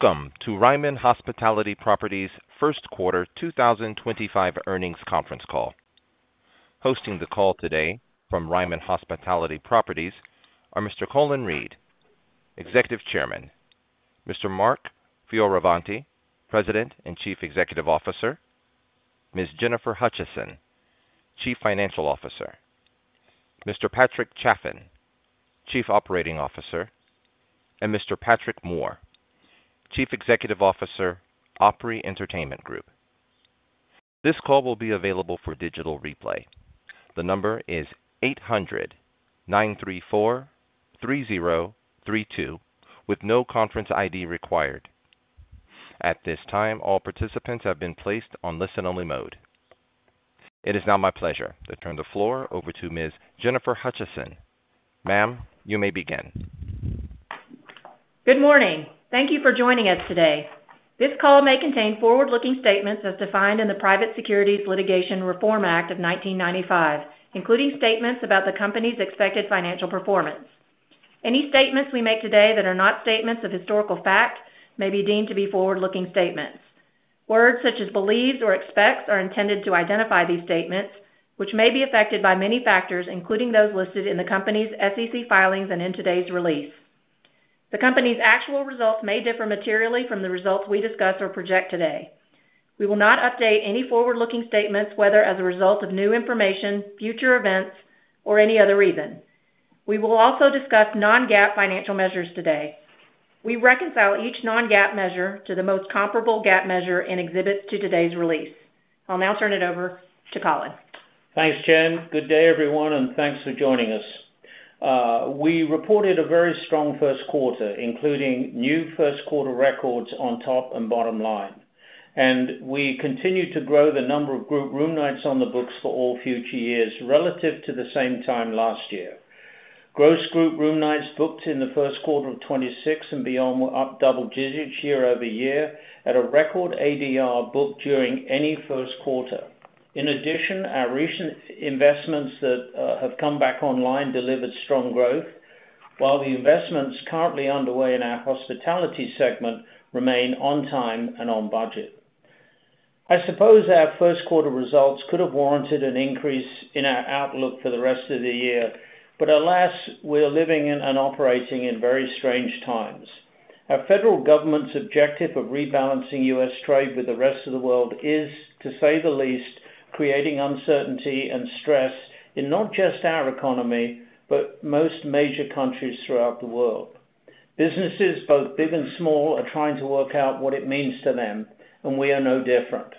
Welcome to Ryman Hospitality Properties' First Quarter 2025 Earnings Conference Call. Hosting the call today from Ryman Hospitality Properties are Mr. Colin Reed, Executive Chairman, Mr. Mark Fioravanti, President and Chief Executive Officer, Ms. Jennifer Hutcheson, Chief Financial Officer, Mr. Patrick Chaffin, Chief Operating Officer, and Mr. Patrick Moore, Chief Executive Officer, Opry Entertainment Group. This call will be available for digital replay. The number is 800-934-3032, with no conference ID required. At this time, all participants have been placed on listen-only mode. It is now my pleasure to turn the floor over to Ms. Jennifer Hutcheson. Ma'am, you may begin. Good morning. Thank you for joining us today. This call may contain forward-looking statements as defined in the Private Securities Litigation Reform Act of 1995, including statements about the company's expected financial performance. Any statements we make today that are not statements of historical fact may be deemed to be forward-looking statements. Words such as "believes" or "expects" are intended to identify these statements, which may be affected by many factors, including those listed in the company's SEC filings and in today's release. The company's actual results may differ materially from the results we discuss or project today. We will not update any forward-looking statements, whether as a result of new information, future events, or any other reason. We will also discuss non-GAAP financial measures today. We reconcile each non-GAAP measure to the most comparable GAAP measure in exhibits to today's release. I'll now turn it over to Colin. Thanks, Jen. Good day, everyone, and thanks for joining us. We reported a very strong first quarter, including new first-quarter records on top and bottom line. We continued to grow the number of group room nights on the books for all future years relative to the same time last year. Gross group room nights booked in the first quarter of 2026 and beyond were up double-digits year over year at a record ADR booked during any first quarter. In addition, our recent investments that have come back online delivered strong growth, while the investments currently underway in our hospitality segment remain on time and on budget. I suppose our first-quarter results could have warranted an increase in our outlook for the rest of the year, but alas, we're living and operating in very strange times. Our federal government's objective of rebalancing U.S. trade with the rest of the world is, to say the least, creating uncertainty and stress in not just our economy but most major countries throughout the world. Businesses, both big and small, are trying to work out what it means to them, and we are no different.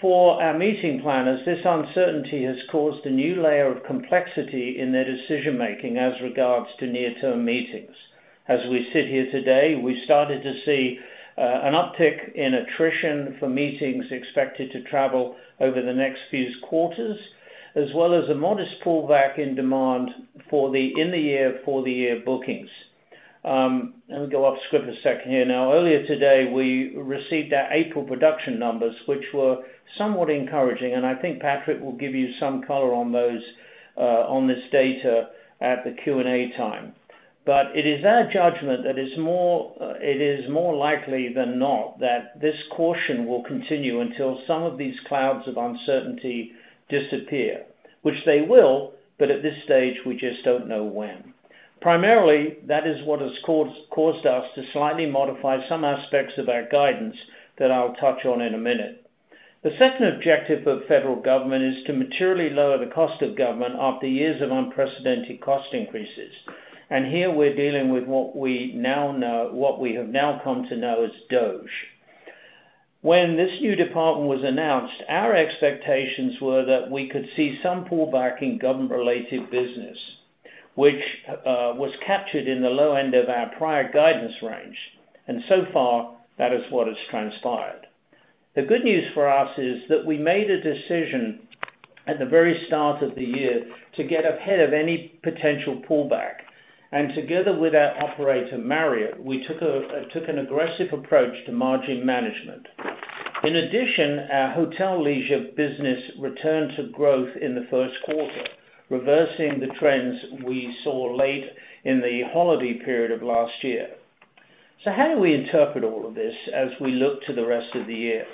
For our meeting planners, this uncertainty has caused a new layer of complexity in their decision-making as regards to near-term meetings. As we sit here today, we've started to see an uptick in attrition for meetings expected to travel over the next few quarters, as well as a modest pullback in demand for the in-the-year, for-the-year bookings. Let me go off script a second here. Now, earlier today, we received our April production numbers, which were somewhat encouraging, and I think Patrick will give you some color on this data at the Q&A time. But it is our judgment that it is more likely than not that this caution will continue until some of these clouds of uncertainty disappear, which they will, but at this stage, we just don't know when. Primarily, that is what has caused us to slightly modify some aspects of our guidance that I'll touch on in a minute. The second objective of federal government is to materially lower the cost of government after years of unprecedented cost increases. Here, we're dealing with what we have now come to know as DOGE. When this new department was announced, our expectations were that we could see some pullback in government-related business, which was captured in the low end of our prior guidance range. So far, that is what has transpired. The good news for us is that we made a decision at the very start of the year to get ahead of any potential pullback. Together with our operator, Marriott, we took an aggressive approach to margin management. In addition, our hotel leisure business returned to growth in the first quarter, reversing the trends we saw late in the holiday period of last year. How do we interpret all of this as we look to the rest of the year?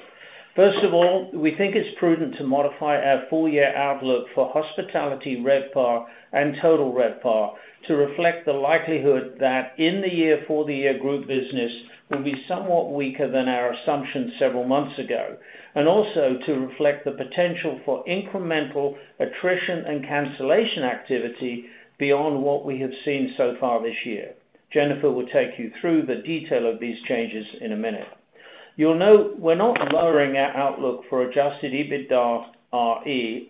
First of all, we think it's prudent to modify our full-year outlook for hospitality, RevPAR, and total RevPAR to reflect the likelihood that in-the-year, for-the-year group business will be somewhat weaker than our assumption several months ago, and also to reflect the potential for incremental attrition and cancellation activity beyond what we have seen so far this year. Jennifer will take you through the detail of these changes in a minute. You'll note we're not lowering our outlook for adjusted EBITDA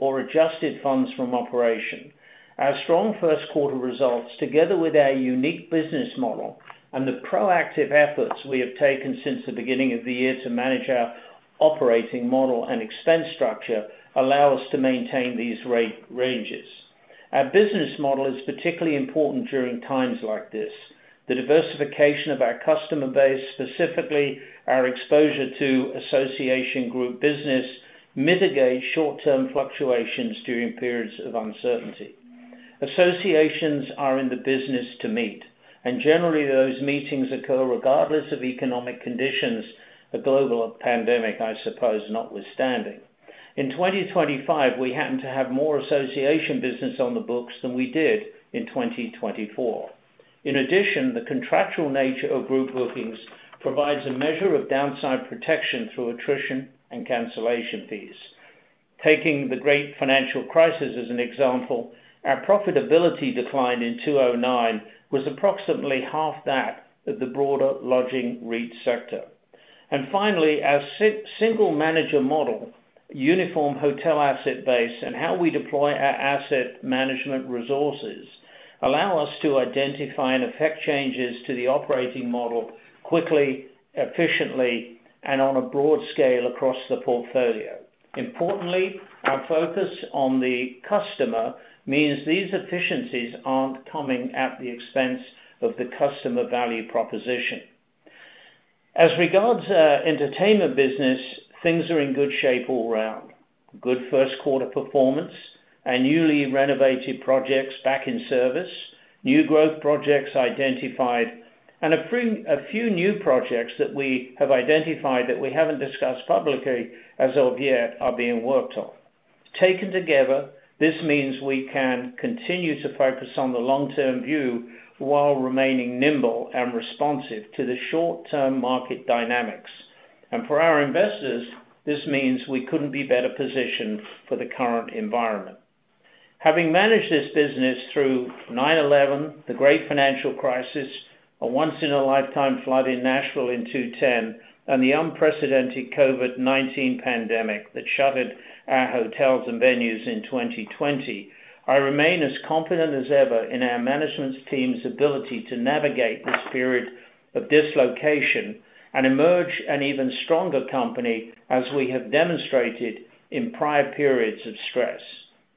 or adjusted funds from operations. Our strong first-quarter results, together with our unique business model and the proactive efforts we have taken since the beginning of the year to manage our operating model and expense structure, allow us to maintain these ranges. Our business model is particularly important during times like this. The diversification of our customer base, specifically our exposure to association group business, mitigates short-term fluctuations during periods of uncertainty. Associations are in the business to meet, and generally, those meetings occur regardless of economic conditions, a global pandemic, I suppose, notwithstanding. In 2025, we happen to have more association business on the books than we did in 2024. In addition, the contractual nature of group bookings provides a measure of downside protection through attrition and cancellation fees. Taking the great financial crisis as an example, our profitability decline in 2009 was approximately half that of the broader lodging REIT sector. Finally, our single manager model, uniform hotel asset base, and how we deploy our asset management resources allow us to identify and effect changes to the operating model quickly, efficiently, and on a broad scale across the portfolio. Importantly, our focus on the customer means these efficiencies are not coming at the expense of the customer value proposition. As regards our entertainment business, things are in good shape all around. Good first-quarter performance, our newly renovated projects back in service, new growth projects identified, and a few new projects that we have identified that we have not discussed publicly as of yet are being worked on. Taken together, this means we can continue to focus on the long-term view while remaining nimble and responsive to the short-term market dynamics. For our investors, this means we could not be better positioned for the current environment. Having managed this business through 9/11, the great financial crisis, a once-in-a-lifetime flood in Nashville in 2010, and the unprecedented COVID-19 pandemic that shuttered our hotels and venues in 2020, I remain as confident as ever in our management team's ability to navigate this period of dislocation and emerge an even stronger company as we have demonstrated in prior periods of stress.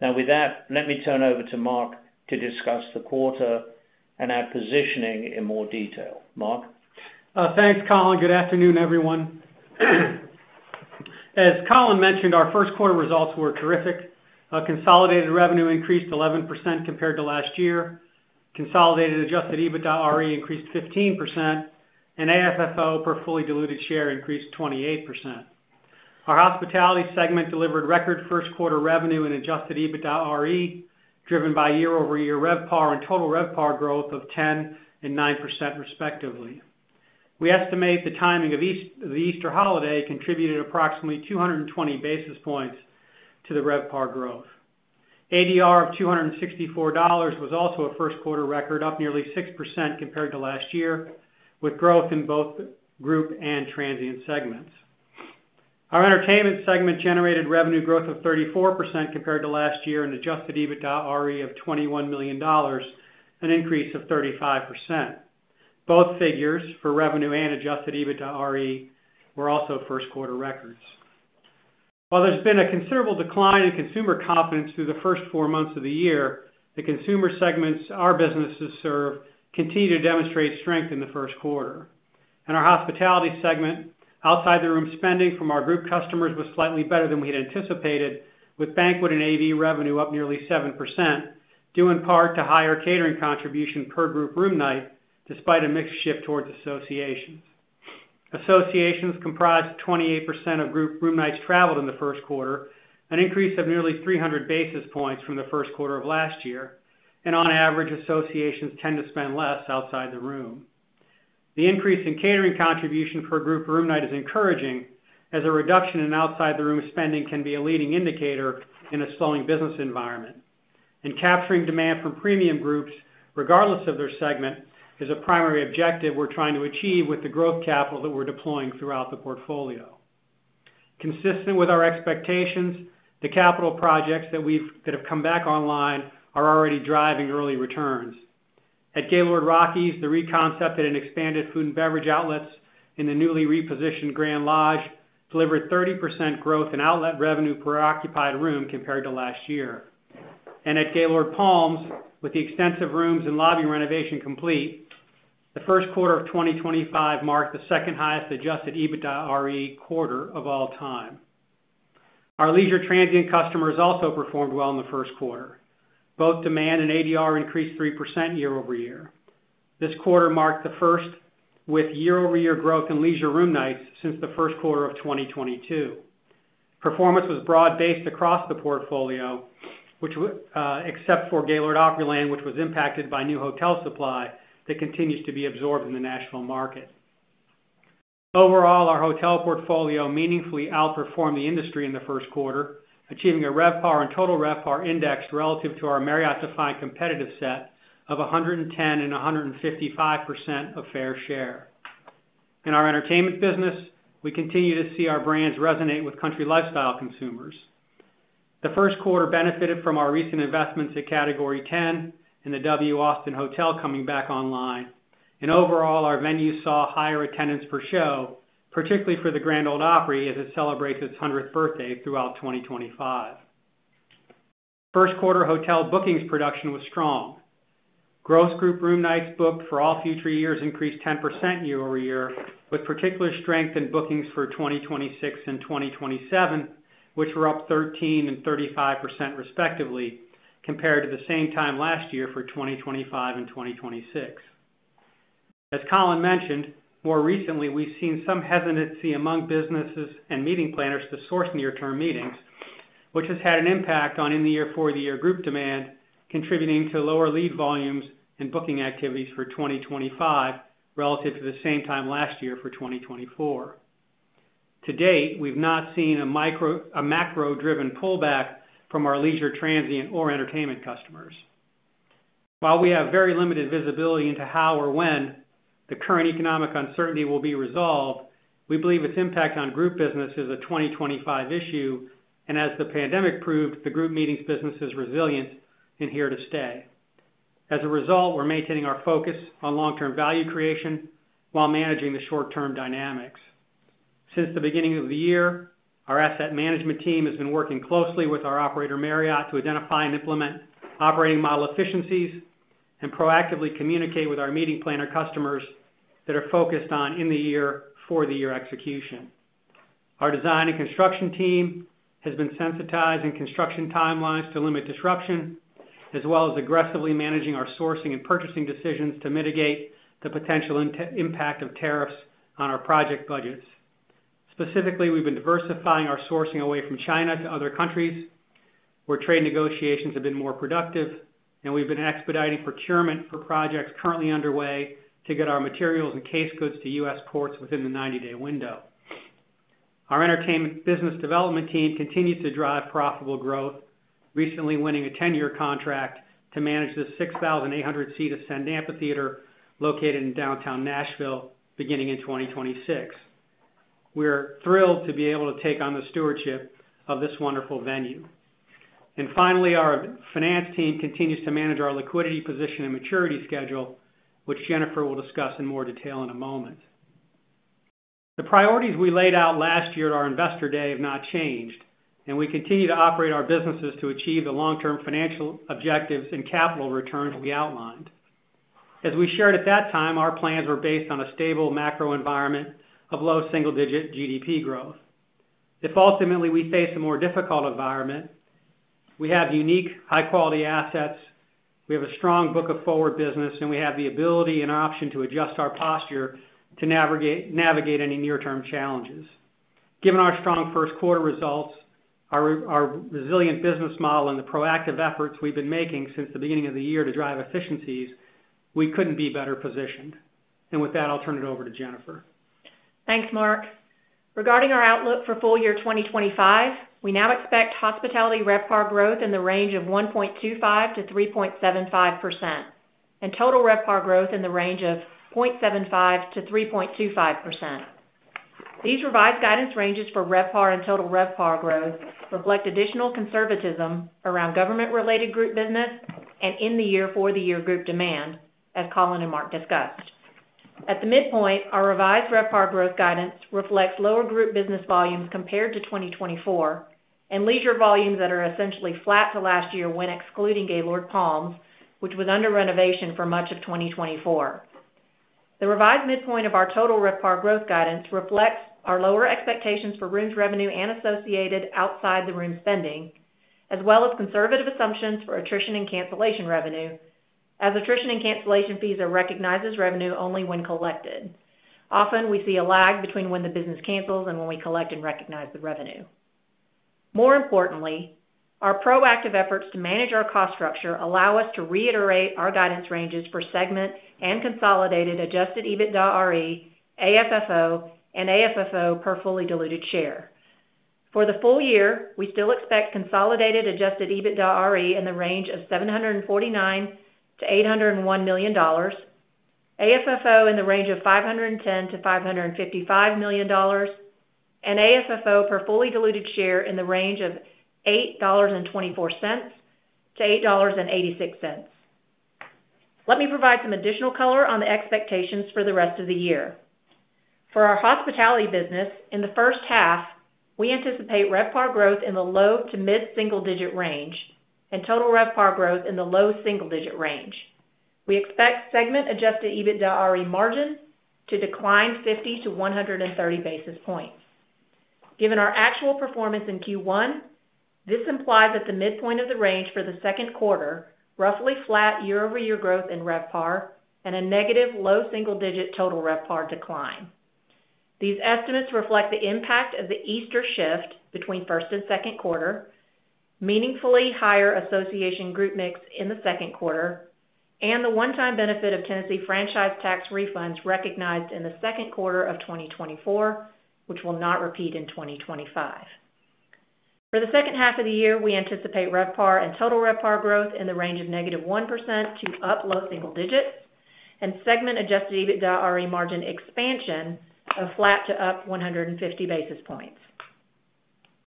Now, with that, let me turn over to Mark to discuss the quarter and our positioning in more detail. Mark. Thanks, Colin. Good afternoon, everyone. As Colin mentioned, our first-quarter results were terrific. Consolidated revenue increased 11% compared to last year. Consolidated adjusted EBITDA increased 15%, and AFFO per fully diluted share increased 28%. Our hospitality segment delivered record first-quarter revenue and adjusted EBITDAre driven by year-over-year RevPAR and total RevPAR growth of 10% and 9%, respectively. We estimate the timing of the Easter holiday contributed approximately 220 basis points to the RevPAR growth. ADR of $264 was also a first-quarter record, up nearly 6% compared to last year, with growth in both group and transient segments. Our entertainment segment generated revenue growth of 34% compared to last year and adjusted EBITDA of $21 million, an increase of 35%. Both figures for revenue and adjusted EBITDAre were also first-quarter records. While there's been a considerable decline in consumer confidence through the first four months of the year, the consumer segments our businesses serve continue to demonstrate strength in the first quarter. In our hospitality segment, outside-the-room spending from our group customers was slightly better than we had anticipated, with banquet and AV revenue up nearly 7%, due in part to higher catering contribution per group room night despite a mixed shift towards associations. Associations comprised 28% of group room nights traveled in the first quarter, an increase of nearly 300 basis points from the first quarter of last year. And on average, associations tend to spend less outside the room. The increase in catering contribution per group room night is encouraging as a reduction in outside-the-room spending can be a leading indicator in a slowing business environment. Capturing demand from premium groups, regardless of their segment, is a primary objective we're trying to achieve with the growth capital that we're deploying throughout the portfolio. Consistent with our expectations, the capital projects that have come back online are already driving early returns. At Gaylord Rockies, the reconcepted and expanded food and beverage outlets in the newly repositioned Grand Lodge delivered 30% growth in outlet revenue per occupied room compared to last year. At Gaylord Palms, with the extensive rooms and lobby renovation complete, the first quarter of 2025 marked the second-highest adjusted EBITDA quarter of all time. Our leisure transient customers also performed well in the first quarter. Both demand and ADR increased 3% year-over-year. This quarter marked the first with year-over-year growth in leisure room nights since the first quarter of 2022. Performance was broad-based across the portfolio, except for Gaylord Opryland, which was impacted by new hotel supply that continues to be absorbed in the Nashville market. Overall, our hotel portfolio meaningfully outperformed the industry in the first quarter, achieving a RevPAR and total RevPAR index relative to our Marriott-defined competitive set of 110% and 155% of fair share. In our entertainment business, we continue to see our brands resonate with country lifestyle consumers. The first quarter benefited from our recent investments at Category 10 and the W Austin Hotel coming back online. Overall, our venues saw higher attendance per show, particularly for the Grand Ole Opry as it celebrates its 100th birthday throughout 2025. First-quarter hotel bookings production was strong. Gross group room nights booked for all future years increased 10% year-over-year, with particular strength in bookings for 2026 and 2027, which were up 13% and 35%, respectively, compared to the same time last year for 2025 and 2026. As Colin mentioned, more recently, we've seen some hesitancy among businesses and meeting planners to source near-term meetings, which has had an impact on in-the-year for-the-year group demand, contributing to lower lead volumes and booking activities for 2025 relative to the same time last year for 2024. To date, we've not seen a macro-driven pullback from our leisure transient or entertainment customers. While we have very limited visibility into how or when the current economic uncertainty will be resolved, we believe its impact on group business is a 2025 issue. And as the pandemic proved, the group meetings business is resilient and here to stay. As a result, we're maintaining our focus on long-term value creation while managing the short-term dynamics. Since the beginning of the year, our asset management team has been working closely with our operator, Marriott, to identify and implement operating model efficiencies and proactively communicate with our meeting planner customers that are focused on in-the-year, for-the-year execution. Our design and construction team has been sensitized in construction timelines to limit disruption, as well as aggressively managing our sourcing and purchasing decisions to mitigate the potential impact of tariffs on our project budgets. Specifically, we've been diversifying our sourcing away from China to other countries where trade negotiations have been more productive, and we've been expediting procurement for projects currently underway to get our materials and case goods to US ports within the 90-day window. Our entertainment business development team continues to drive profitable growth, recently winning a 10-year contract to manage the 6,800-seat Ascend Amphitheater located in downtown Nashville beginning in 2026. We're thrilled to be able to take on the stewardship of this wonderful venue. And finally, our finance team continues to manage our liquidity position and maturity schedule, which Jennifer will discuss in more detail in a moment. The priorities we laid out last year at our investor day have not changed, and we continue to operate our businesses to achieve the long-term financial objectives and capital returns we outlined. As we shared at that time, our plans were based on a stable macro environment of low single-digit GDP growth. If ultimately we face a more difficult environment, we have unique, high-quality assets, we have a strong book of forward business, and we have the ability and option to adjust our posture to navigate any near-term challenges. Given our strong first-quarter results, our resilient business model, and the proactive efforts we've been making since the beginning of the year to drive efficiencies, we couldn't be better positioned. With that, I'll turn it over to Jennifer. Thanks, Mark. Regarding our outlook for full year 2025, we now expect hospitality RevPAR growth in the range of 1.25%-3.75% and total RevPAR growth in the range of 0.75%-3.25%. These revised guidance ranges for RevPAR and total RevPAR growth reflect additional conservatism around government-related group business and in-the-year, for-the-year group demand, as Colin and Mark discussed. At the midpoint, our revised RevPAR growth guidance reflects lower group business volumes compared to 2024 and leisure volumes that are essentially flat to last year when excluding Gaylord Palms, which was under renovation for much of 2024. The revised midpoint of our total RevPAR growth guidance reflects our lower expectations for rooms revenue and associated outside-the-room spending, as well as conservative assumptions for attrition and cancellation revenue, as attrition and cancellation fees are recognized as revenue only when collected. Often, we see a lag between when the business cancels and when we collect and recognize the revenue. More importantly, our proactive efforts to manage our cost structure allow us to reiterate our guidance ranges for segment and consolidated adjusted EBITDAre, AFFO, and AFFO per fully diluted share. For the full year, we still expect consolidated adjusted EBITDAre in the range of $749 million-$801 million, AFFO in the range of $510 million-$555 million, and AFFO per fully diluted share in the range of $8.24-$8.86. Let me provide some additional color on the expectations for the rest of the year. For our hospitality business, in the first half, we anticipate RevPAR growth in the low to mid single-digit range and total RevPAR growth in the low single-digit range. We expect segment adjusted EBITDAre margin to decline 50 to 130 basis points. Given our actual performance in Q1, this implies at the midpoint of the range for the second quarter, roughly flat year-over-year growth in RevPAR and a negative low single-digit total RevPAR decline. These estimates reflect the impact of the Easter shift between first and second quarter, meaningfully higher association group mix in the second quarter, and the one-time benefit of Tennessee franchise tax refunds recognized in the second quarter of 2024, which will not repeat in 2025. For the second half of the year, we anticipate RevPAR and total RevPAR growth in the range of negative 1% to up low single digits and segment adjusted EBITDAre margin expansion of flat to up 150 basis points.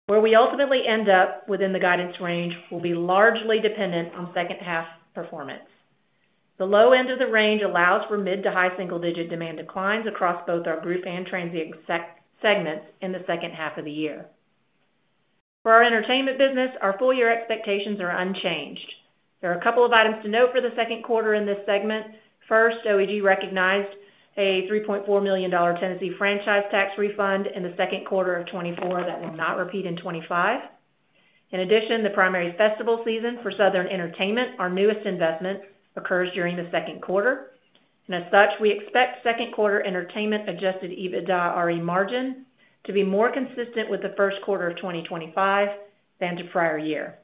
Where we ultimately end up within the guidance range will be largely dependent on second-half performance. The low end of the range allows for mid to high single-digit demand declines across both our group and transient segments in the second half of the year. For our entertainment business, our full year expectations are unchanged. There are a couple of items to note for the second quarter in this segment. First, OEG recognized a $3.4 million Tennessee franchise tax refund in the second quarter of 2024 that will not repeat in 2025. In addition, the primary festival season for Southern Entertainment, our newest investment, occurs during the second quarter. As such, we expect second-quarter entertainment adjusted EBITDAre margin to be more consistent with the first quarter of 2025 than to prior year.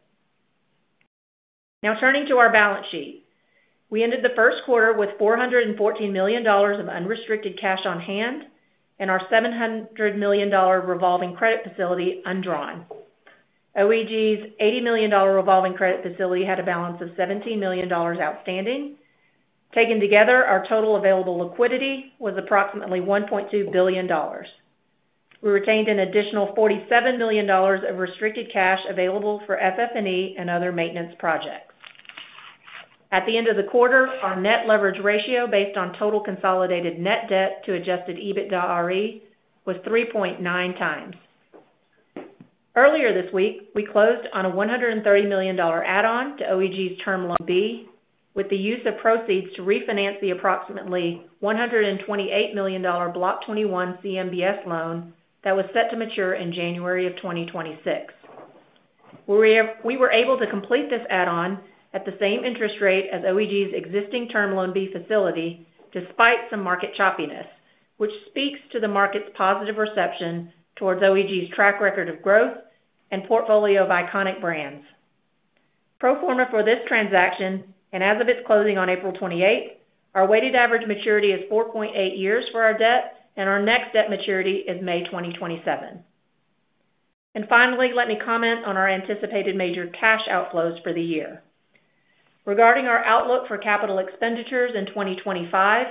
Now, turning to our balance sheet, we ended the first quarter with $414 million of unrestricted cash on hand and our $700 million revolving credit facility undrawn. OEG's $80 million revolving credit facility had a balance of $17 million outstanding. Taken together, our total available liquidity was approximately $1.2 billion. We retained an additional $47 million of restricted cash available for FF&E and other maintenance projects. At the end of the quarter, our net leverage ratio based on total consolidated net debt to adjusted EBITDAre was 3.9x. Earlier this week, we closed on a $130 million add-on to OEG's Term Loan B with the use of proceeds to refinance the approximately $128 million Block 21 CMBS loan that was set to mature in January of 2026. We were able to complete this add-on at the same interest rate as OEG's existing Term Loan B facility despite some market choppiness, which speaks to the market's positive reception towards OEG's track record of growth and portfolio of iconic brands. Pro forma for this transaction, and as of its closing on April 28, our weighted average maturity is 4.8 years for our debt, and our next debt maturity is May 2027. And finally, let me comment on our anticipated major cash outflows for the year. Regarding our outlook for capital expenditures in 2025,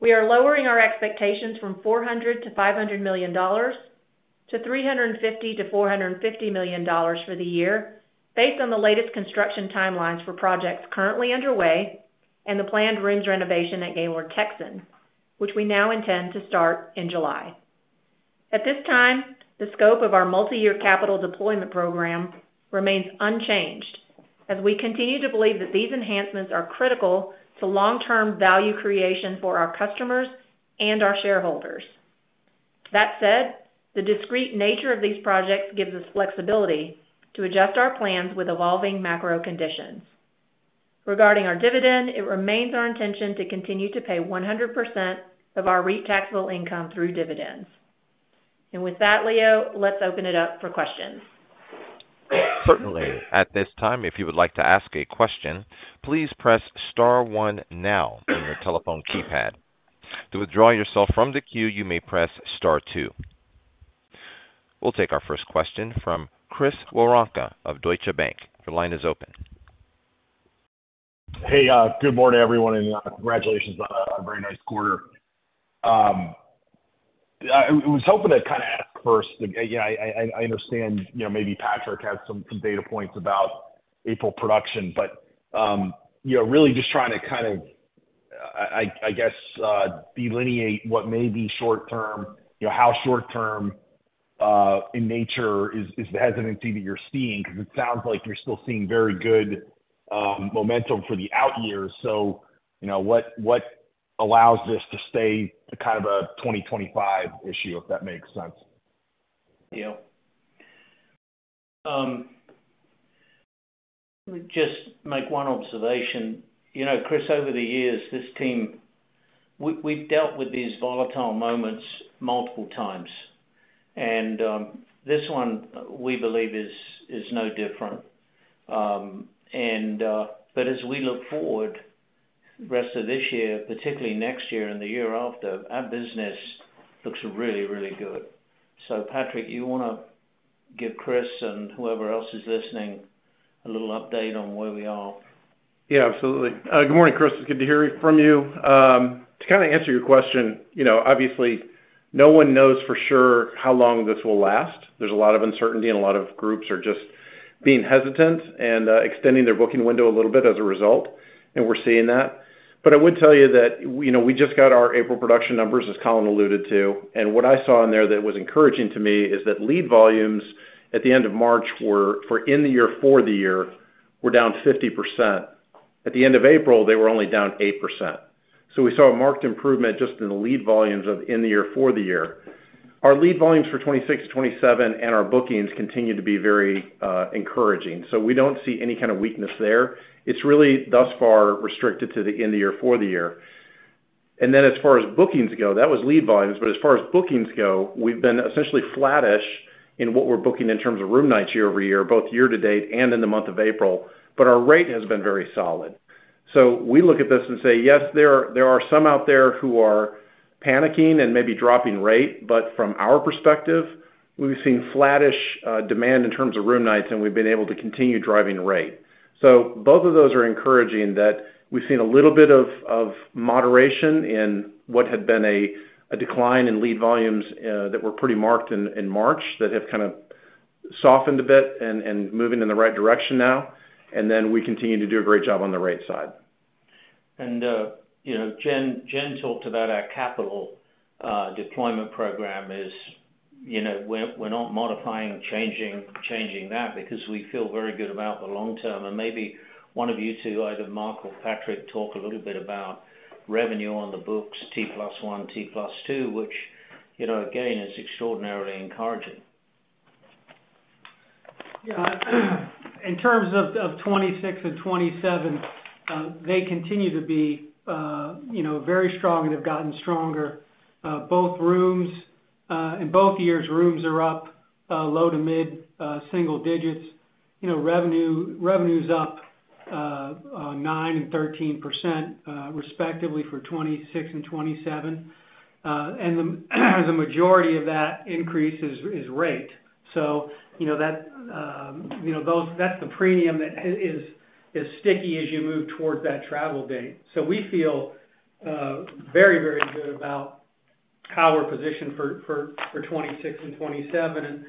we are lowering our expectations from $400 milion to $500 million to $350 million to $450 million for the year based on the latest construction timelines for projects currently underway and the planned rooms renovation at Gaylord Texan, which we now intend to start in July. At this time, the scope of our multi-year capital deployment program remains unchanged as we continue to believe that these enhancements are critical to long-term value creation for our customers and our shareholders. That said, the discreet nature of these projects gives us flexibility to adjust our plans with evolving macro conditions. Regarding our dividend, it remains our intention to continue to pay 100% of our REIT taxable income through dividends. With that, Leo, let's open it up for questions. Certainly. At this time, if you would like to ask a question, please press star one now on your telephone keypad. To withdraw yourself from the queue, you may press star two. We'll take our first question from Chris Woronka of Deutsche Bank. Your line is open. Hey, good morning, everyone, and congratulations on a very nice quarter. Uhm I was hoping to kind of ask first, I understand you know maybe Patrick had some data points about April production, but um really just trying to kind of, I guess, delineate what may be short-term, how short-term in nature is the hesitancy that you're seeing because it sounds like you're still seeing very good momentum for the out-year. What allows this to stay kind of a 2025 issue, if that makes sense? Yeah. Just make one observation. You know Chris, over the years, this team, we've dealt with these volatile moments multiple times. And uhm this one, we believe, is no different. As we look forward, the rest of this year, particularly next year and the year after, our business looks really, really good. So Patrick, you want to give Chris and whoever else is listening a little update on where we are? Yeah, absolutely. Good morning, Chris. It's good to hear from you. Uhm. To kind of answer your question, obviously, no one knows for sure how long this will last. There's a lot of uncertainty, and a lot of groups are just being hesitant and extending their booking window a little bit as a result, and we're seeing that. But I would tell you that we just got our April production numbers, as Colin alluded to. What I saw in there that was encouraging to me is that lead volumes at the end of March for in-the-year, for-the-year were down 50%. At the end of April, they were only down 8%. So we saw a marked improvement just in the lead volumes of in-the-year, for-the-year. Our lead volumes for 2026 to 2027 and our bookings continue to be very encouraging. So we do not see any kind of weakness there. It's really thus far restricted to the in-the-year, for-the-year. And then as far as bookings go, that was lead volumes. As far as bookings go, we've been essentially flattish in what we're booking in terms of room nights year over year, both year to date and in the month of April, but our rate has been very solid. We look at this and say, yes, there are some out there who are panicking and maybe dropping rate, but from our perspective, we've seen flattish demand in terms of room nights, and we've been able to continue driving rate. Both of those are encouraging that we've seen a little bit of moderation in what had been a decline in lead volumes that were pretty marked in March that have kind of softened a bit and moving in the right direction now. And then we continue to do a great job on the right side. Jen talked about our capital uh deployment program is you know we're not modifying, changing that because we feel very good about the long term. And maybe one of you two, either Mark or Patrick, talk a little bit about revenue on the books, T plus one, T plus two, which, again, is extraordinarily encouraging. Yeah. In terms of 2026 and 2027, they continue to be uh very strong and have gotten stronger. Both rooms in both years, rooms are up low to mid single digits. Revenue's up 9% and 13% respectively for 2026 and 2027. The majority of that increase is rate. That's the premium that is sticky as you move towards that travel date. So we feel very, very good about how we're positioned for 2026 and 2027.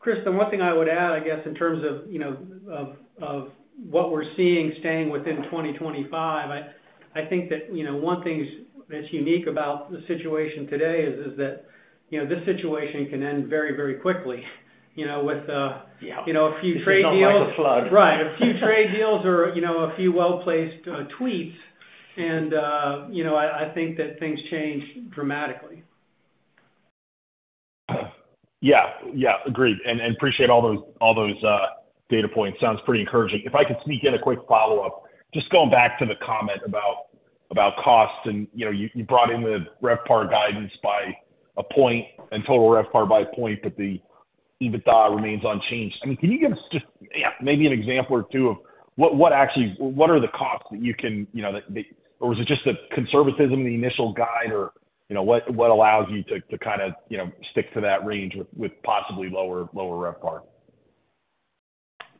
Chris, the one thing I would add, I guess, in terms of what we're seeing staying within 2025, I think that one thing that's unique about the situation today is that this situation can end very, very quickly with a few trade deals. It's like a flood. Right. A few trade deals or a few well-placed tweets. I think that things change dramatically. Yeah. Yeah. Agreed. And appreciate all those data points. Sounds pretty encouraging. If I could sneak in a quick follow-up, just going back to the comment about cost, and you brought in the RevPAR guidance by a point and total RevPAR by a point, but the EBITDA remains unchanged. I mean, can you give us just maybe an example or two of what actually, what are the costs that you can, or was it just the conservatism of the initial guide, or what allows you to kind of stick to that range with possibly lower RevPAR?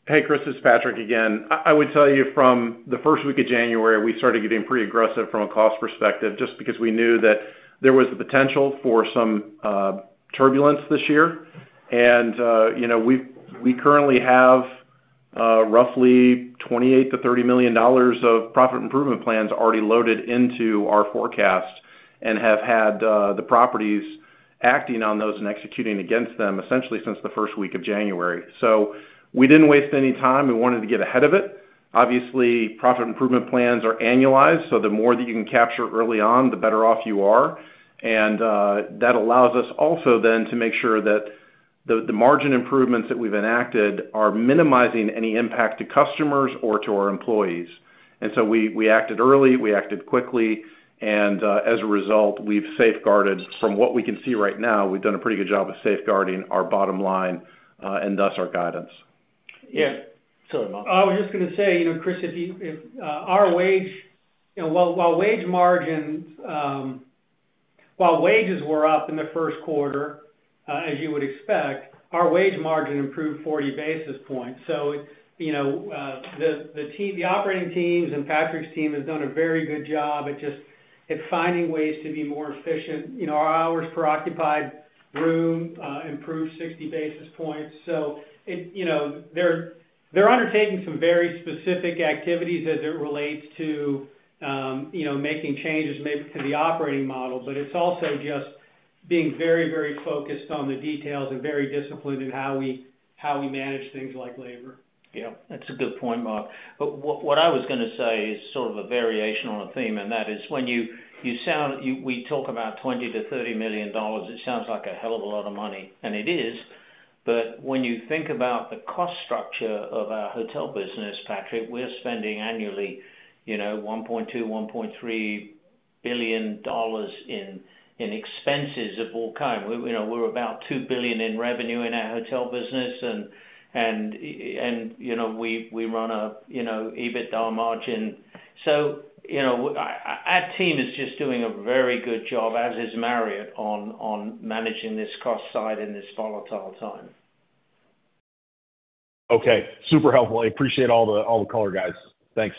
Hey, Chris, this is Patrick again. I would tell you from the first week of January, we started getting pretty aggressive from a cost perspective just because we knew that there was the potential for some turbulence this year. And uh you know we currently have roughly $28 milion to $30 million of profit improvement plans already loaded into our forecast and have had the properties acting on those and executing against them essentially since the first week of January. We did not waste any time. We wanted to get ahead of it. Obviously, profit improvement plans are annualized. The more that you can capture early on, the better off you are. That allows us also then to make sure that the margin improvements that we have enacted are minimizing any impact to customers or to our employees. And so we acted early, we acted quickly, and as a result, we've safeguarded from what we can see right now, we've done a pretty good job of safeguarding our bottom line and thus our guidance. Yeah. Sorry, Mark. I was just going to say, Chris, if our wage margins, while wages were up in the first quarter, as you would expect, our wage margin improved 40 basis points. The operating teams and Patrick's team have done a very good job at just finding ways to be more efficient. Our hours per occupied room improved 60 basis points. So you know they are undertaking some very specific activities as it relates to making changes maybe to the operating model, but it is also just being very, very focused on the details and very disciplined in how we manage things like labor. Yeah. That's a good point, Mark. What I was going to say is sort of a variation on a theme, and that is when you sound we talk about $20 million to $30 million. It sounds like a hell of a lot of money, and it is. When you think about the cost structure of our hotel business, Patrick, we're spending annually $1.2 billion to $1.3 billion in expenses of all kinds. We're about $2 billion in revenue in our hotel business, and we run an EBITDA margin. Our team is just doing a very good job, as is Marriott, on managing this cost side in this volatile time. Okay. Super helpful. I appreciate all the color, guys. Thanks.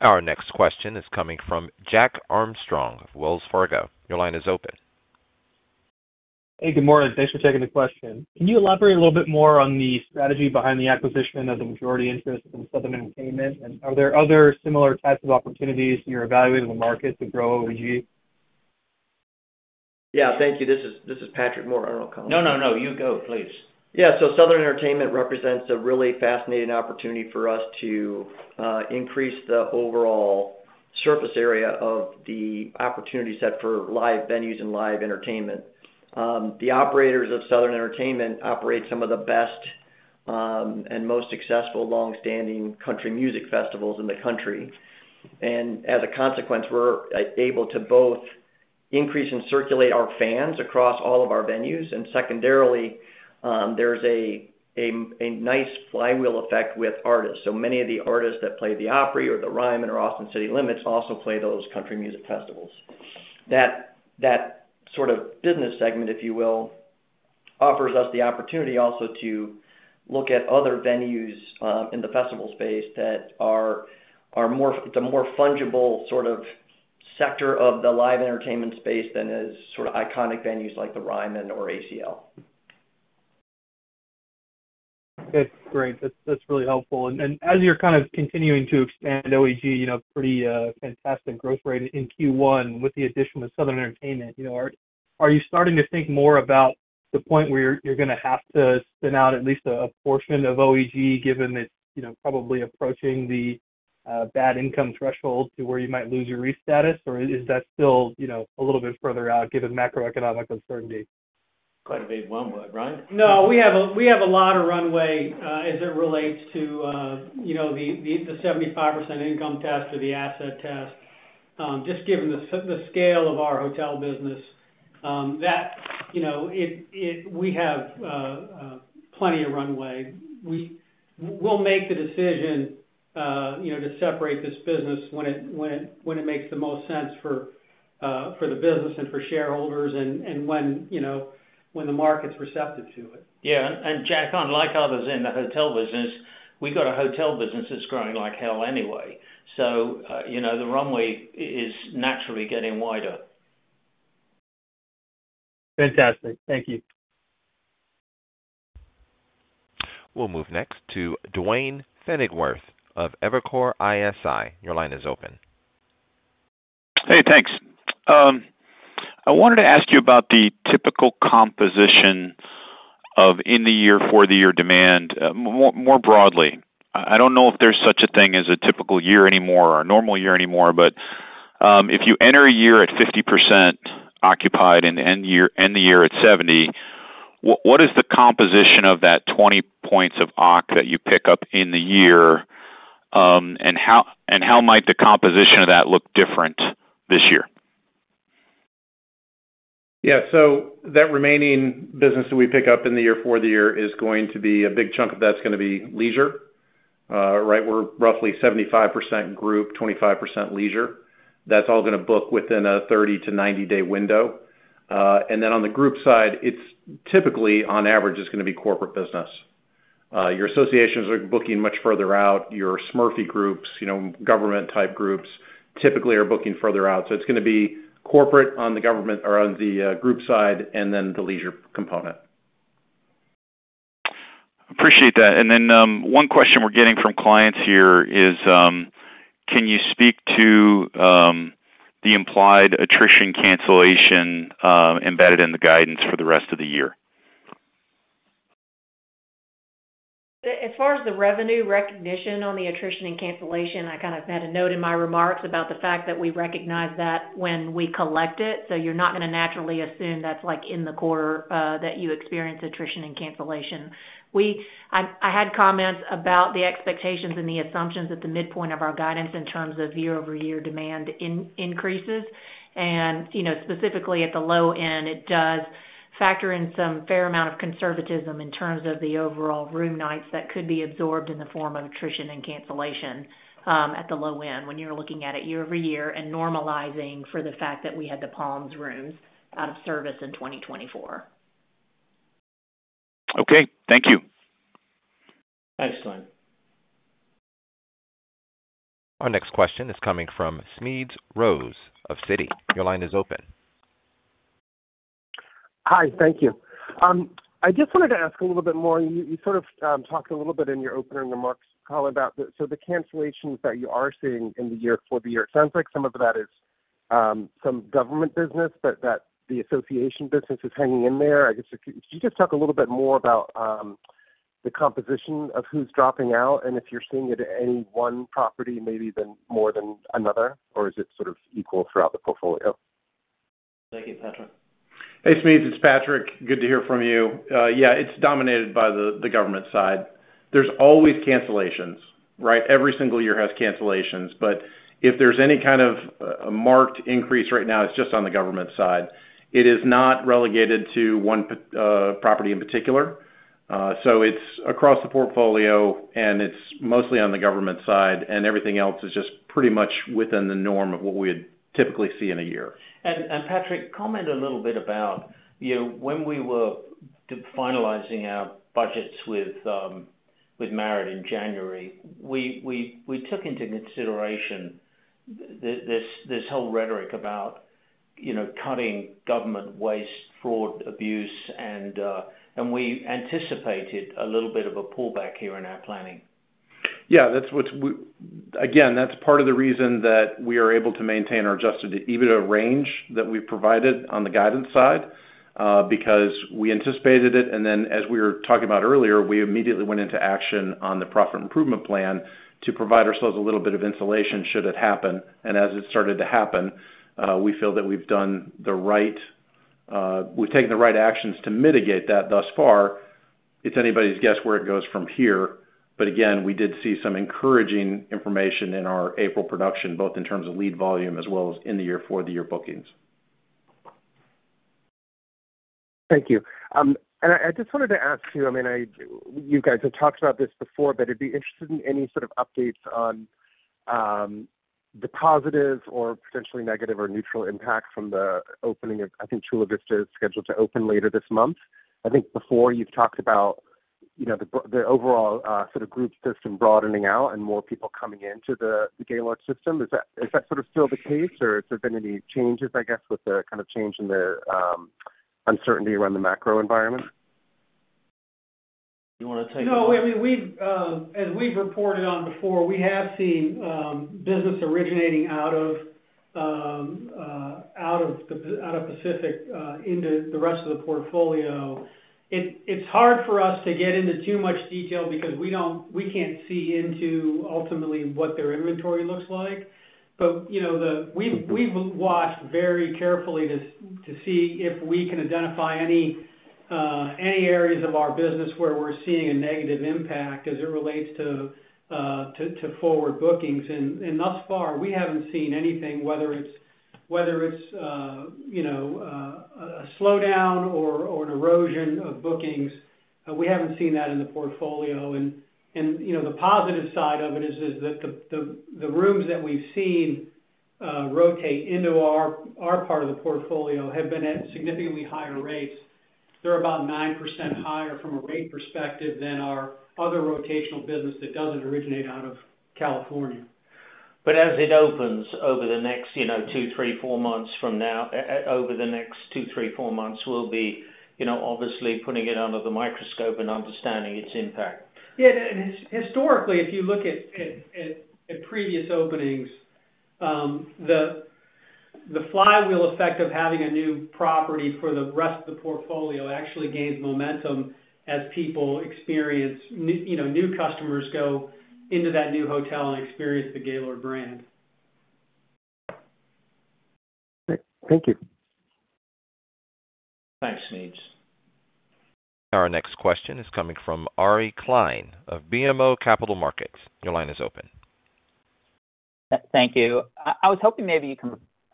Our next question is coming from Jack Armstrong of Wells Fargo. Your line is open. Hey, good morning. Thanks for taking the question. Can you elaborate a little bit more on the strategy behind the acquisition of the majority interest in Southern Entertainment? Are there other similar types of opportunities you're evaluating in the market to grow OEG? Yeah. Thank you. This is Patrick Moore. I don't know if Colin— No, no, no. You go, please. Yeah. Southern Entertainment represents a really fascinating opportunity for us to increase the overall surface area of the opportunity set for live venues and live entertainment. The operators of Southern Entertainment operate some of the best and most successful long-standing country music festivals in the country. As a consequence, we're able to both increase and circulate our fans across all of our venues. Secondarily, there's a nice flywheel effect with artists. So many of the artists that play the Opry or the Ryman or Austin City Limits also play those country music festivals. That sort of business segment, if you will, offers us the opportunity also to look at other venues in the festival space that are more—it's a more fungible sort of sector of the live entertainment space than is sort of iconic venues like the Ryman or ACL. Good. Great. That's really helpful. And as you're kind of continuing to expand OEG, pretty fantastic growth rate in Q1 with the addition of Southern Entertainment, are you starting to think more about the point where you're going to have to spin out at least a portion of OEG given it's probably approaching the bad income threshold to where you might lose your REIT status, or is that still a little bit further out given macroeconomic uncertainty? Quite a big runway, right? No, we have a lot of runway as it relates to the 75% income test or the asset test. Just given the scale of our hotel business, we have plenty of runway. We'll make the decision to separate this business when it makes the most sense for the business and for shareholders and you know when the market's receptive to it. Yeah. Jack, unlike others in the hotel business, we've got a hotel business that's growing like hell anyway. The runway is naturally getting wider. Fantastic. Thank you. We'll move next to Duane Pfennigwerth of Evercore ISI. Your line is open. Hey, thanks. UhmI wanted to ask you about the typical composition of in-the-year, for-the-year demand more broadly. I don't know if there's such a thing as a typical year anymore or a normal year anymore, but um if you enter a year at 50% occupied and end the year at 70%, what is the composition of that 20 percentage points of OC that you pick up in the year, and how might the composition of that look different this year? Yeah. So that remaining business that we pick up in-the-year, for-the-year is going to be a big chunk of that's going to be leisure, right? We're roughly 75% group, 25% leisure. That's all going to book within a 30- to 90-day window. On the group side, it's typically, on average, going to be corporate business. Your associations are booking much further out. Your SMERF-y groups, government-type groups, typically are booking further out. It's going to be corporate on the group side and then the leisure component. Appreciate that. And the one question we're getting from clients here is, can you speak to the implied attrition cancellation ah embedded in the guidance for the rest of the year? As far as the revenue recognition on the attrition and cancellation, I kind of had a note in my remarks about the fact that we recognize that when we collect it. So you are not going to naturally assume that is in the quarter that you experience attrition and cancellation. I had comments about the expectations and the assumptions at the midpoint of our guidance in terms of year-over-year demand increases. And you know specifically at the low end, it does factor in some fair amount of conservatism in terms of the overall room nights that could be absorbed in the form of attrition and cancellation uhm at the low end when you are looking at it year over year and normalizing for the fact that we had the Palms rooms out of service in 2024. Okay. Thank you. Excellent. Our next question is coming from Smedes Rose of Citi. Your line is open. Hi. Thank you. I just wanted to ask a little bit more. You sort of talked a little bit in your opening remarks, Colin, about the cancellations that you are seeing in-the-year, for-the-year. It sounds like some of that is some government business, but that the association business is hanging in there. I guess, could you just talk a little bit more about the composition of who's dropping out and if you're seeing it at any one property maybe more than another, or is it sort of equal throughout the portfolio? Thank you, Patrick. Hey, Smedes. It's Patrick. Good to hear from you. Yeah. It's dominated by the government side. There's always cancellations, right? Every single year has cancellations. If there's any kind of a marked increase right now, it's just on the government side. It is not relegated to one property in particular. It's across the portfolio, and it's mostly on the government side, and everything else is just pretty much within the norm of what we would typically see in a year. And Patrick, comment a little bit about when we were finalizing our budgets with Marriott in January, we took into consideration this whole rhetoric about cutting government waste, fraud, abuse, and we anticipated a little bit of a pullback here in our planning. Yeah. Again, that's part of the reason that we are able to maintain or adjust to even a range that we've provided on the guidance side because we anticipated it. As we were talking about earlier, we immediately went into action on the profit improvement plan to provide ourselves a little bit of insulation should it happen. As it started to happen, we feel that we've taken the right actions to mitigate that thus far. It's anybody's guess where it goes from here. But again, we did see some encouraging information in our April production, both in terms of lead volume as well as in-the-year, for-the-year bookings. Thank you. I just wanted to ask you, I mean, you guys have talked about this before, but I'd be interested in any sort of updates on the positive or potentially negative or neutral impact from the opening of, I think, Chula Vista is scheduled to open later this month. I think before you've talked about the overall sort of group system broadening out and more people coming into the Gaylord system. Is that sort of still the case, or has there been any changes, I guess, with the kind of change in the uncertainty around the macro environment? You want to take it? No, I mean, as we've reported on before, we have seen business originating out of uhm ah out of Pacific into the rest of the portfolio. It's hard for us to get into too much detail because we can't see into ultimately what their inventory looks like. But we've watched very carefully to see if we can identify any areas of our business where we're seeing a negative impact as it relates to forward bookings. Thus far, we haven't seen anything, whether it's a slowdown or an erosion of bookings. We haven't seen that in the portfolio. The positive side of it is that the rooms that we've seen rotate into our part of the portfolio have been at significantly higher rates. They're about 9% higher from a rate perspective than our other rotational business that doesn't originate out of California. But as it opens over the next two, three, four months from now, over the next two, three, four months, we'll be obviously putting it under the microscope and understanding its impact. Yeah. Historically, if you look at previous openings, the flywheel effect of having a new property for the rest of the portfolio actually gains momentum as people experience new customers go into that new hotel and experience the Gaylord brand. Thank you. Thanks, Smedes. Our next question is coming from Ari Klein of BMO Capital Markets. Your line is open. Thank you. I was hoping maybe you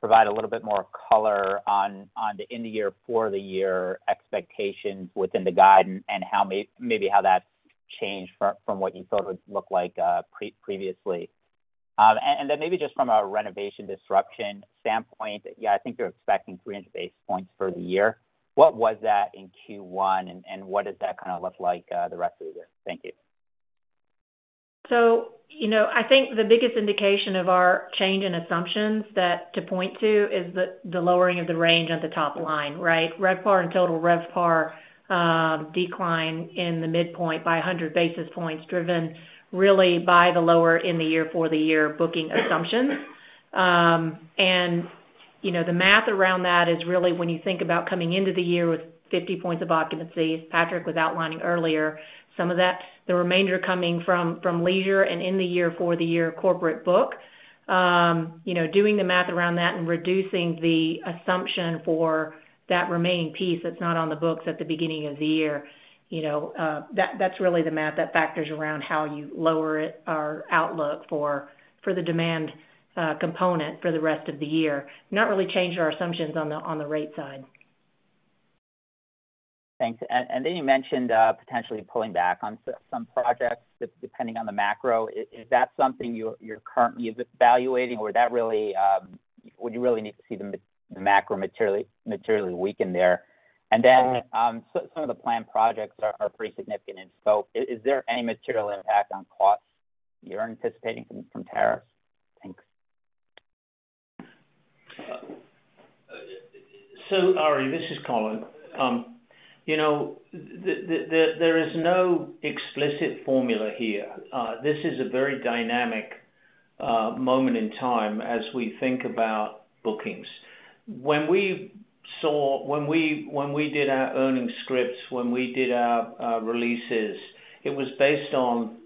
can provide a little bit more color on the in-the-year, for-the-year expectations within the guide and maybe how that's changed from what you thought it would look like previously. And then maybe just from a renovation disruption standpoint, yeah, I think you're expecting 300 basis points for the year. What was that in Q1, and what does that kind of look like the rest of the year? Thank you. Sp you know I think the biggest indication of our change in assumptions to point to is the lowering of the range on the top line, right? RevPAR and total RevPAR decline in the midpoint by 100 basis points driven really by the lower in-the-year, for-the-year booking assumptions. And you know the math around that is really when you think about coming into the year with 50 points of occupancy, Patrick was outlining earlier, some of that, the remainder coming from leisure and in-the-year, for-the-year corporate book. Uhm you know doing the math around that and reducing the assumption for that remaining piece that's not on the books at the beginning of the year, you know that's really the math that factors around how you lower our outlook for the demand component for the rest of the year. Not really changed our assumptions on the rate side. Thanks. And then you mentioned potentially pulling back on some projects depending on the macro. Is that something you're currently evaluating, or would you really need to see the macro materially weaken there? And then some of the planned projects are pretty significant in scope. Is there any material impact on costs you're anticipating from tariffs? Thanks. So Ari, this is Colin. There is no explicit formula here. This is a very dynamic moment in time as we think about bookings. When we did our earning scripts, when we did our releases, it was based on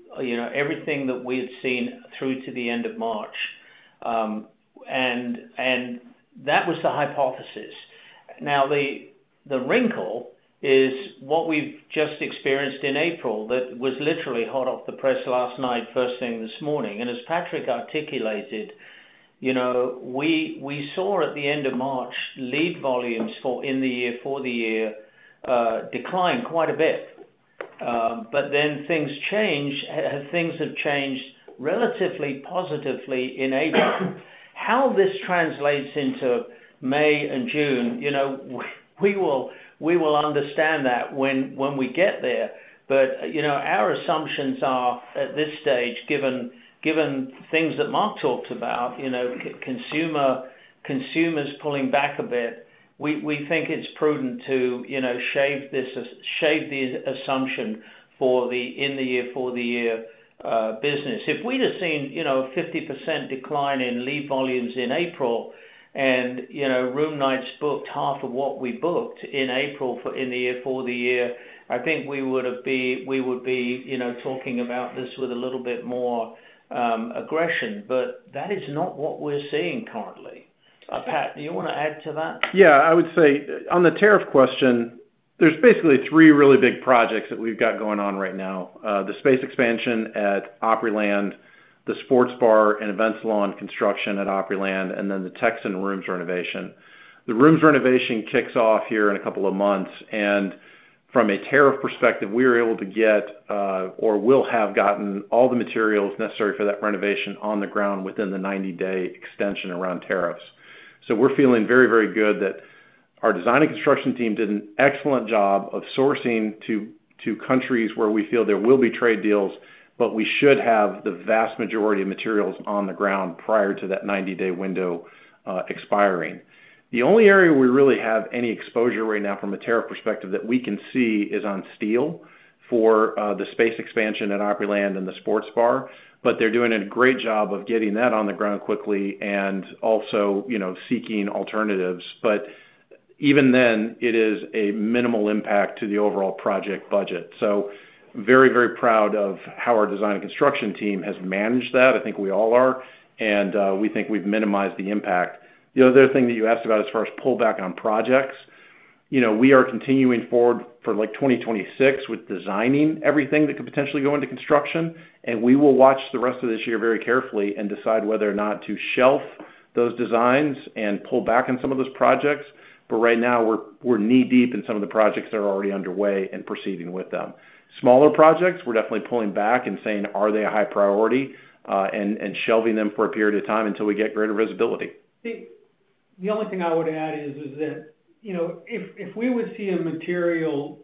everything that we had seen through to the end of March. That was the hypothesis. Now, the wrinkle is what we have just experienced in April that was literally hot off the press last night, first thing this morning. And as Patrick articulated, you know we saw at the end of March lead volumes for in-the-year, for-the-year decline quite a bit. Things changed. Things have changed relatively positively in April. How this translates into May and Jun, you know we will understand that when we get there. Our assumptions are at this stage, given things that Mark talked about you know, consumers pulling back a bit, we think it's prudent to shave the assumption for the in-the-year, for-the-year business. If we'd have seen a 50% decline in lead volumes in April and room nights booked half of what we booked in April for in-the-year, for-the-year, I think we would be you know talking about this with a little bit more aggression. But that is not what we're seeing currently. Pat, do you want to add to that? Yeah. I would say on the tariff question, there's basically three really big projects that we've got going on right now: the space expansion at Opryland, the sports bar and events lawn construction at Opryland, and then the Texan rooms renovation. The rooms renovation kicks off here in a couple of months. And from a tariff perspective, we were able to get or will have gotten all the materials necessary for that renovation on the ground within the 90-day extension around tariffs. So we're feeling very, very good that our design and construction team did an excellent job of sourcing to countries where we feel there will be trade deals, but we should have the vast majority of materials on the ground prior to that 90-day window expiring. The only area we really have any exposure right now from a tariff perspective that we can see is on steel for the space expansion at Opryland and the sports bar. But they are doing a great job of getting that on the ground quickly and also seeking alternatives. But even then, it is a minimal impact to the overall project budget. So I'm very, very proud of how our design and construction team has managed that. I think we all are. We think we have minimized the impact. The other thing that you asked about as far as pullback on projects, you know we are continuing forward for 2026 with designing everything that could potentially go into construction. And we will watch the rest of this year very carefully and decide whether or not to shelf those designs and pull back on some of those projects. But right now, we're knee-deep in some of the projects that are already underway and proceeding with them. Smaller projects, we're definitely pulling back and saying, "Are they a high priority?" and shelving them for a period of time until we get greater visibility. The only thing I would add is that you know if we would see a material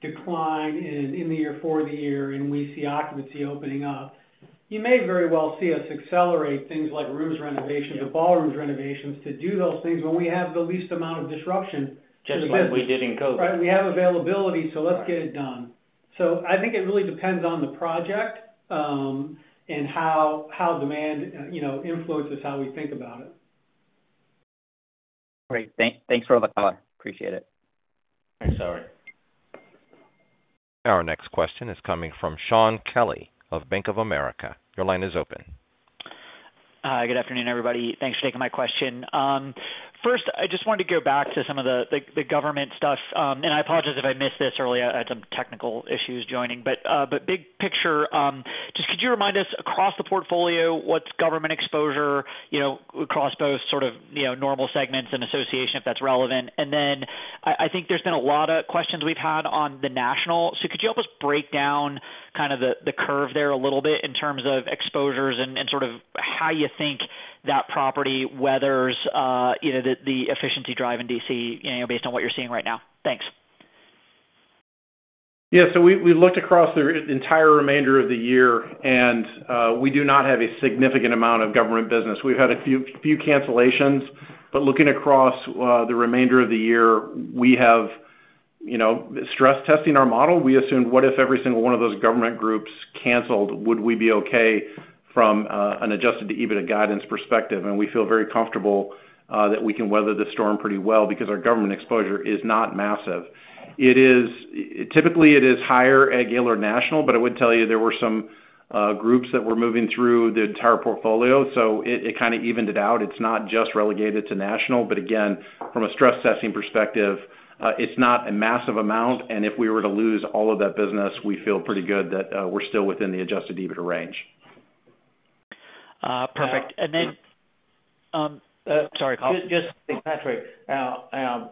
decline in the year, for the year, and we see occupancy opening up, you may very well see us accelerate things like rooms renovations, the ballrooms renovations, to do those things when we have the least amount of disruption. Just like we did in COVID. Right. We have availability, so let's get it done. So I think it really depends on the project and how demand influences how we think about it. Great. Thanks for the call. Appreciate it. Thanks, Ari. Our next question is coming from Shaun Kelly of Bank of America. Your line is open. Hi. Good afternoon, everybody. Thanks for taking my question. First, I just wanted to go back to some of the government stuff. I apologize if I missed this earlier. I had some technical issues joining. Big picture, just could you remind us across the portfolio, what's government exposure you know across both sort of normal segments and association, if that's relevant? I think there's been a lot of questions we've had on the national. Could you help us break down kind of the curve there a little bit in terms of exposures and sort of how you think that property weathers uh the efficiency drive in D.C. based on what you're seeing right now? Thanks. Yeah. We looked across the entire remainder of the year, and we do not have a significant amount of government business. We've had a few cancellations. But looking across the remainder of the year, we have stress-tested our model. We assumed, "What if every single one of those government groups canceled? Would we be okay from an adjusted to even a guidance perspective?" We feel very comfortable that we can weather the storm pretty well because our government exposure is not massive. It is, typically it is higher at Gaylord National, but I would tell you there were some groups that were moving through the entire portfolio, so it kind of evened it out. It's not just relegated to National. Again, from a stress-testing perspective, it's not a massive amount. And if we were to lose all of that business, we feel pretty good that we're still within the adjusted EBITDA range. Perfect. Then. Sorry, Colin. Just Patrick,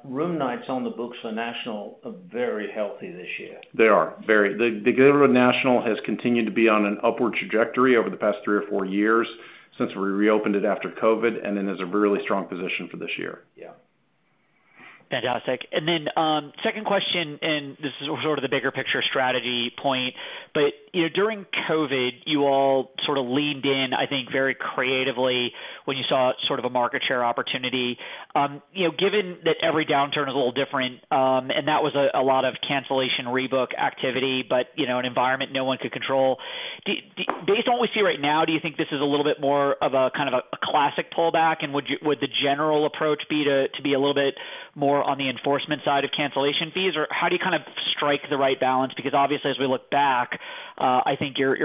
room nights on the books for National are very healthy this year. They are. The Gaylord National has continued to be on an upward trajectory over the past three or four years since we reopened it after COVID and then is in a really strong position for this year. Yeah. Fantastic. Then second question, and this is sort of the bigger picture strategy point. During COVID, you all sort of leaned in, I think, very creatively when you saw sort of a market share opportunity. Given that every downturn is a little different, and that was a lot of cancellation rebook activity, but an environment no one could control. Based on what we see right now, do you think this is a little bit more of a kind of a classic pullback? Would the general approach be to be a little bit more on the enforcement side of cancellation fees? How do you kind of strike the right balance? Obviously, as we look back, I think your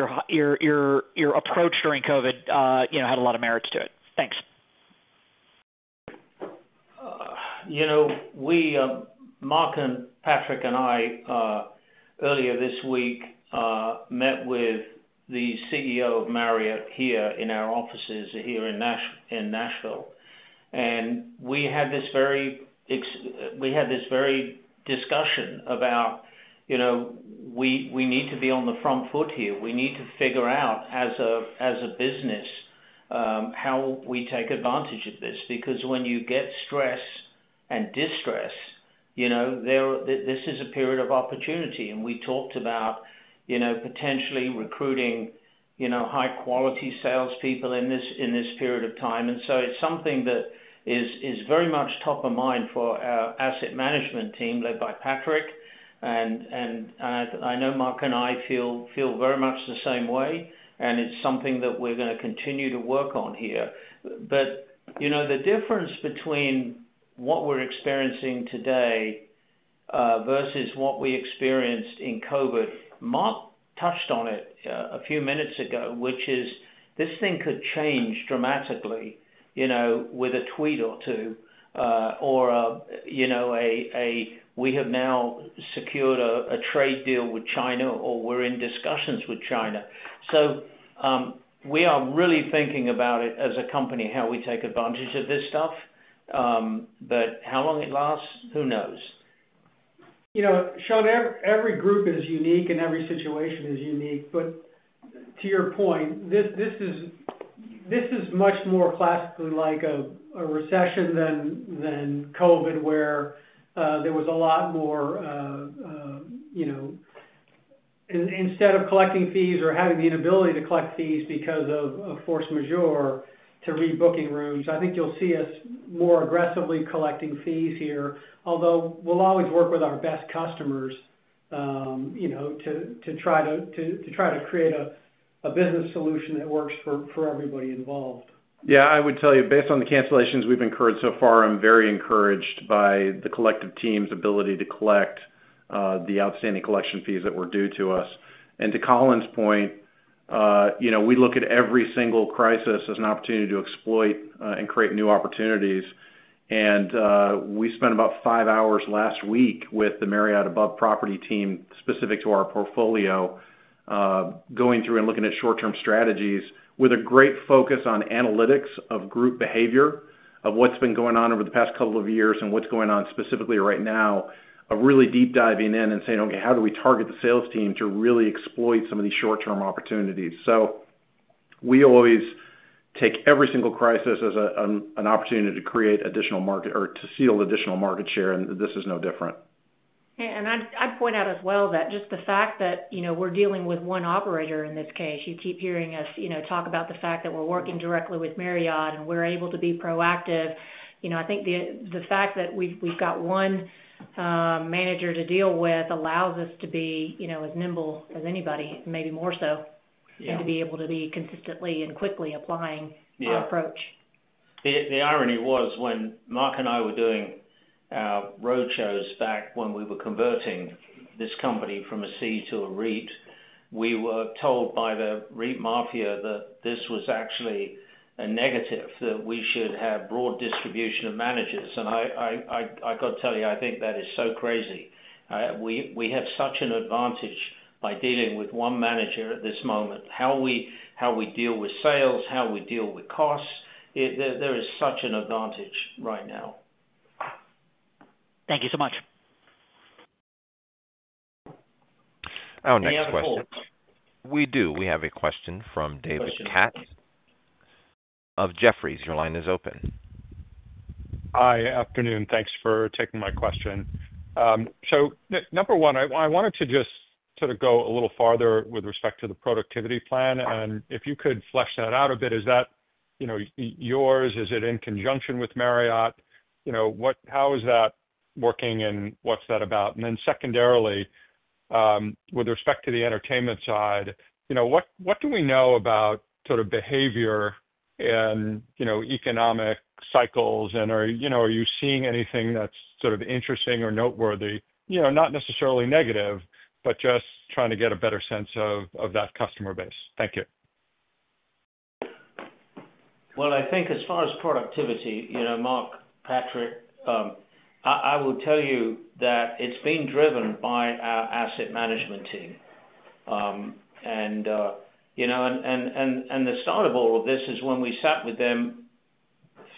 approach during COVID had a lot of merits to it. Thanks. You know, we Mark and Patrick and I, earlier this week, met with the CEO of Marriott here in our offices here in Nashville. And we had this very discussion about we need to be on the front foot here. We need to figure out as a business how we take advantage of this. Because when you get stress and distress, you know this is a period of opportunity. We talked about potentially recruiting you know high-quality salespeople in this period of time. And so it's something that is very much top of mind for our asset management team led by Patrick. I know Mark and I feel very much the same way. It is something that we are going to continue to work on here. But you know the difference between what we're experiencing today versus what we experienced in COVID, Mark touched on it a few minutes ago, which is this thing could change dramatically you know with a tweet or two or a, "We have now secured a trade deal with China," or, "We're in discussions with China." So uhm we are really thinking about it as a company, how we take advantage of this stuff. How long it lasts, who knows? Shaun, every group is unique and every situation is unique. But to your point, this is much more classically like a recession than COVID, where there was a lot more ah uhm you know instead of collecting fees or having the inability to collect fees because of force majeure to rebooking rooms, I think you'll see us more aggressively collecting fees here. Although we'll always work with our best customers uhm you know to try to create a business solution that works for everybody involved. Yeah. I would tell you, based on the cancellations we've incurred so far, I'm very encouraged by the collective team's ability to collect the outstanding collection fees that were due to us. To Colin's point, we look at every single crisis as an opportunity to exploit and create new opportunities. And uh we spent about five hours last week with the Marriott Above Property team specific to our portfolio going through and looking at short-term strategies with a great focus on analytics of group behavior, of what's been going on over the past couple of years and what's going on specifically right now, of really deep diving in and saying, "Okay, how do we target the sales team to really exploit some of these short-term opportunities?" We always take every single crisis as an opportunity to create additional market or to seal additional market share. This is no different. I'd point out as well that just the fact that we are dealing with one operator in this case, you keep hearing us talk about the fact that we are working directly with Marriott and we are able to be proactive. You know I think the fact that we have got one manager to deal with allows us to be as nimble as anybody, maybe more so, and to be able to be consistently and quickly applying our approach. The irony was when Mark and I were doing roadshows back when we were converting this company from a C to a REIT, we were told by the REIT mafia that this was actually a negative, that we should have broad distribution of managers. I've got to tell you, I think that is so crazy. We have such an advantage by dealing with one manager at this moment. How we deal with sales, how we deal with costs, there is such an advantage right now. Thank you so much. Our next question. We do. We have a question from David Katz of Jefferies. Your line is open. Hi. Afternoon. Thanks for taking my question. Uhm so number one, I wanted to just sort of go a little farther with respect to the productivity plan. If you could flesh that out a bit, is that yours? Is it in conjunction with Marriott? You know. How is that working and what's that about? Secondarily, with respect to the entertainment side, you know what do we know about sort of behavior and economic cycles? Are you seeing anything that's sort of interesting or noteworthy, you not necessarily negative, but just trying to get a better sense of that customer base? Thank you. Well I think as far as productivity, Mark, Patrick, I will tell you that it's been driven by our asset management team. The start of all of this is when we sat with them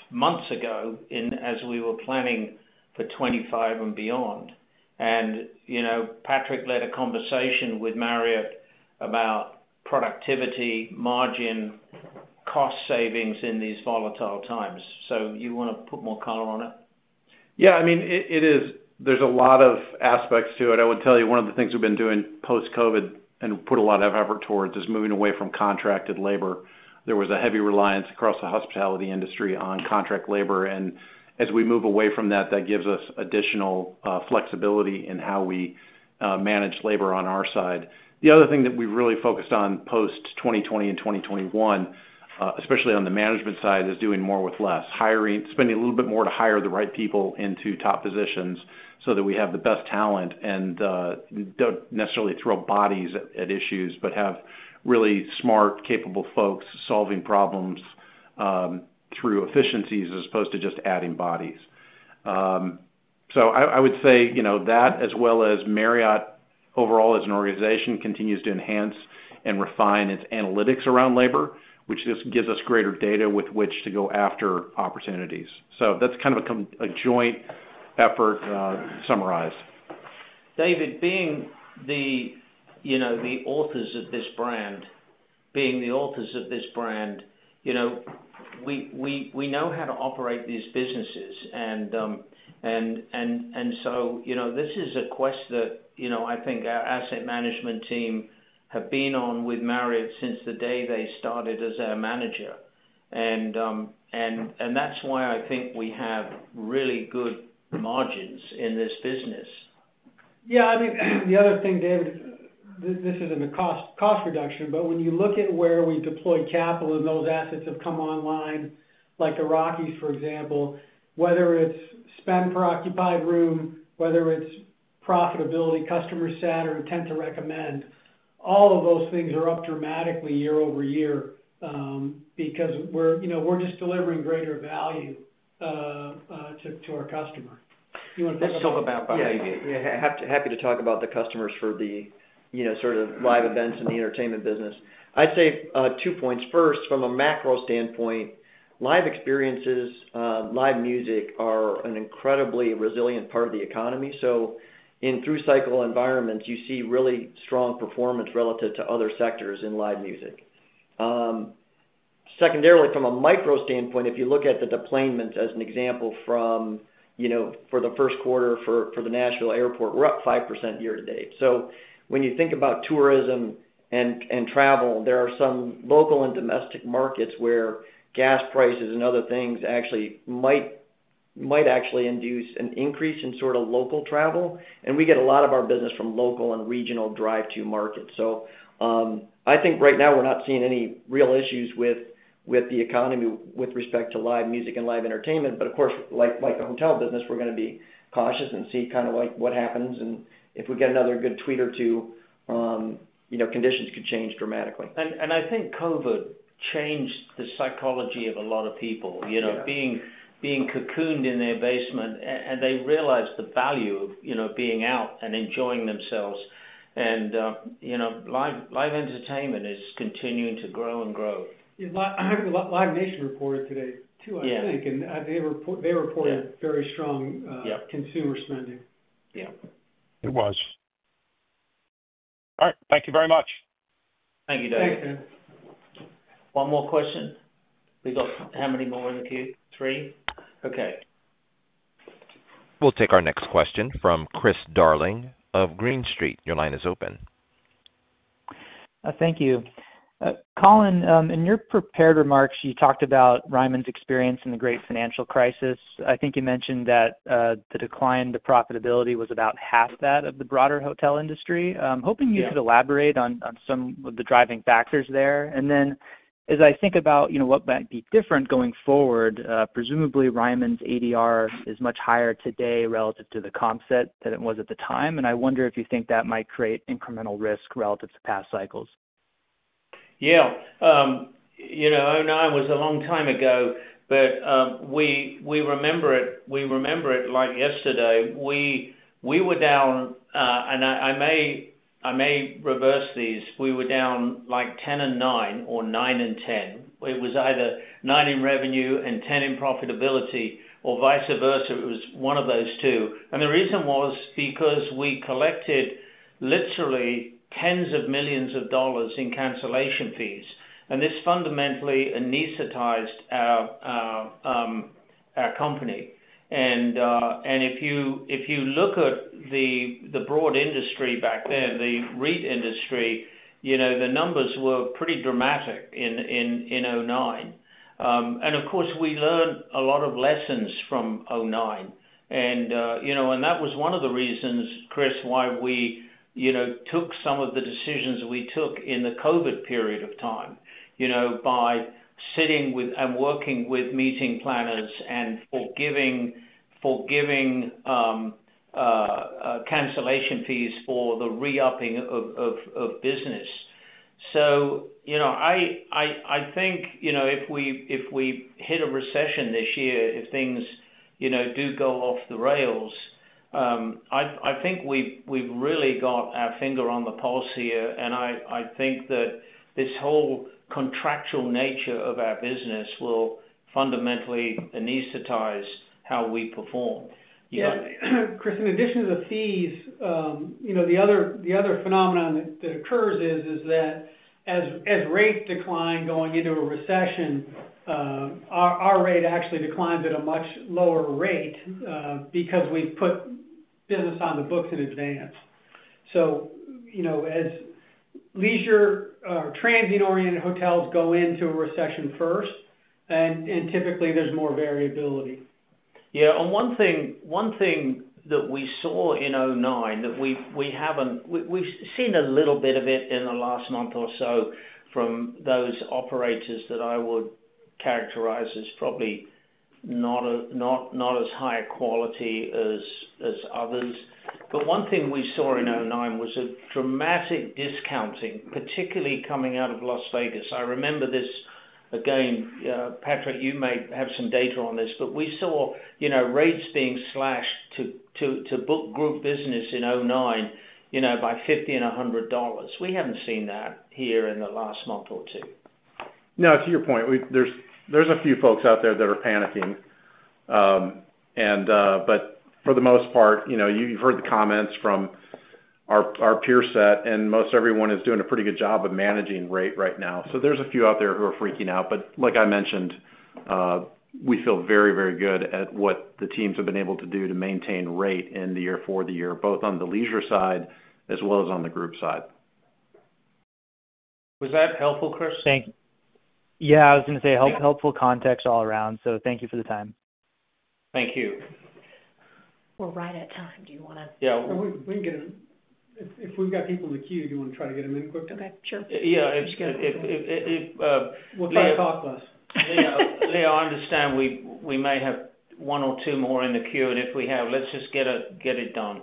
months ago as we were planning for 2025 and beyond. And you know Patrick led a conversation with Marriott about productivity, margin, cost savings in these volatile times. You want to put more color on it? Yeah. I mean, it is there's a lot of aspects to it. I would tell you one of the things we've been doing post-COVID and put a lot of effort towards is moving away from contracted labor. There was a heavy reliance across the hospitality industry on contract labor. And as we move away from that, that gives us additional flexibility in how we manage labor on our side. The other thing that we've really focused on post-2020 and 2021, especially on the management side, is doing more with less, spending a little bit more to hire the right people into top positions so that we have the best talent and don't necessarily throw bodies at issues, but have really smart, capable folks solving problems through uhm efficiencies as opposed to just adding bodies. SoI would say that as well as Marriott overall as an organization continues to enhance and refine its analytics around labor, which just gives us greater data with which to go after opportunities. That is kind of a joint effort summarized. David, being the you know authors of this brand, you know we know how to operate these businesses. And this is a quest that I think our asset management team have been on with Marriott since the day they started as our manager. That is why I think we have really good margins in this business. Yeah. I mean, the other thing, David, this isn't a cost reduction, but when you look at where we deploy capital and those assets have come online, like the Rockies, for example, whether it's spend per occupied room, whether it's profitability, customer sat, or intent to recommend, all of those things are up dramatically year over year uhm because we're just delivering greater value ah to our customer. Let's talk about behavior. Happy to talk about the customers for the sort of live events in the entertainment business. I'd say two points. First, from a macro standpoint, live experiences, live music are an incredibly resilient part of the economy. So in through-cycle environments, you see really strong performance relative to other sectors in live music. Secondarily, from a micro standpoint, if you look at the deployments as an example from you know for the first quarter for the Nashville Airport, we're up 5% year to date. When you think about tourism and travel, there are some local and domestic markets where gas prices and other things actually might actually induce an increase in sort of local travel. We get a lot of our business from local and regional drive-through markets. I think right now we're not seeing any real issues with the economy with respect to live music and live entertainment. But of course, like the hotel business, we're going to be cautious and see kind of what happens. If we get another good tweet or two, uhm conditions could change dramatically. I think COVID changed the psychology of a lot of people, being cocooned in their basement. And they realized the value you know of being out and enjoying themselves. And uhm you know live entertainment is continuing to grow and grow. I heard that Live Nation reported today, too, I think. They reported very strong consumer spending. It was. All right. Thank you very much. Thank you, David. One more question. We've got how many more in the queue? Three? Okay. We'll take our next question from Chris Darling of Green Street. Your line is open. Thank you. Colin, in your prepared remarks, you talked about Ryman's experience in the great financial crisis. I think you mentioned that the decline in profitability was about half that of the broader hotel industry. I am hoping you could elaborate on some of the driving factors there. And then as I think about what might be different going forward, presumably Ryman's ADR is much higher today relative to the comp set than it was at the time and I wonder if you think that might create incremental risk relative to past cycles. Yeah. You know I know it was a long time ago, but we remember it like yesterday. We were down, ah and I may reverse these, we were down like 10 and 9 or 9 and 10. It was either 9 in revenue and 10 in profitability or vice versa. It was one of those two. The reason was because we collected literally tens of millions of dollars in cancellation fees. And this fundamentally anesthetized our company. If you look at the broad industry back then, the REIT industry, the numbers were pretty dramatic in 2009. And of course, we learned a lot of lessons from 2009. And you know that was one of the reasons, Chris, why we took some of the decisions we took in the COVID period of time by sitting with and working with meeting planners and forgiving cancellation fees for the re-upping of business. So you know I think if we hit a recession this year, if things you know do go off the rails, uhm I think we've really got our finger on the pulse here. And I think that this whole contractual nature of our business will fundamentally anesthetize how we perform. Yeah. Chris, in addition to the fees, uhm the other phenomenon that occurs is that as rates decline going into a recession, our rate actually declines at a much lower rate because we've put business on the books in advance. As leisure or transient-oriented hotels go into a recession first, and typically there's more variability. Yeah. And one thing that we saw in 2009 that we have seen a little bit of in the last month or so from those operators that I would characterize as probably not as high quality as others. But one thing we saw in 2009 was a dramatic discounting, particularly coming out of Las Vegas. I remember this again. Patrick, you may have some data on this, but we saw rates being slashed to book group business in 2009 by $50 and $100. We have not seen that here in the last month or two. No, to your point, there's a few folks out there that are panicking. Uhm and for the most part, you've heard the comments from our peer set, and most everyone is doing a pretty good job of managing rate right now. There's a few out there who are freaking out. But like I mentioned, we feel very, very good at what the teams have been able to do to maintain rate in the year for the year, both on the leisure side as well as on the group side. Was that helpful, Chris? Thanks. Yeah. I was going to say helpful context all around. Thank you for the time. Thank you. We're right at time. Do you want to? Yeah. If we've got people in the queue, do you want to try to get them in quickly? Okay. Sure. Yeah. If you can. What time? 5 o'clock, Les. Leo, I understand we may have one or two more in the queue. If we have, let's just get it done.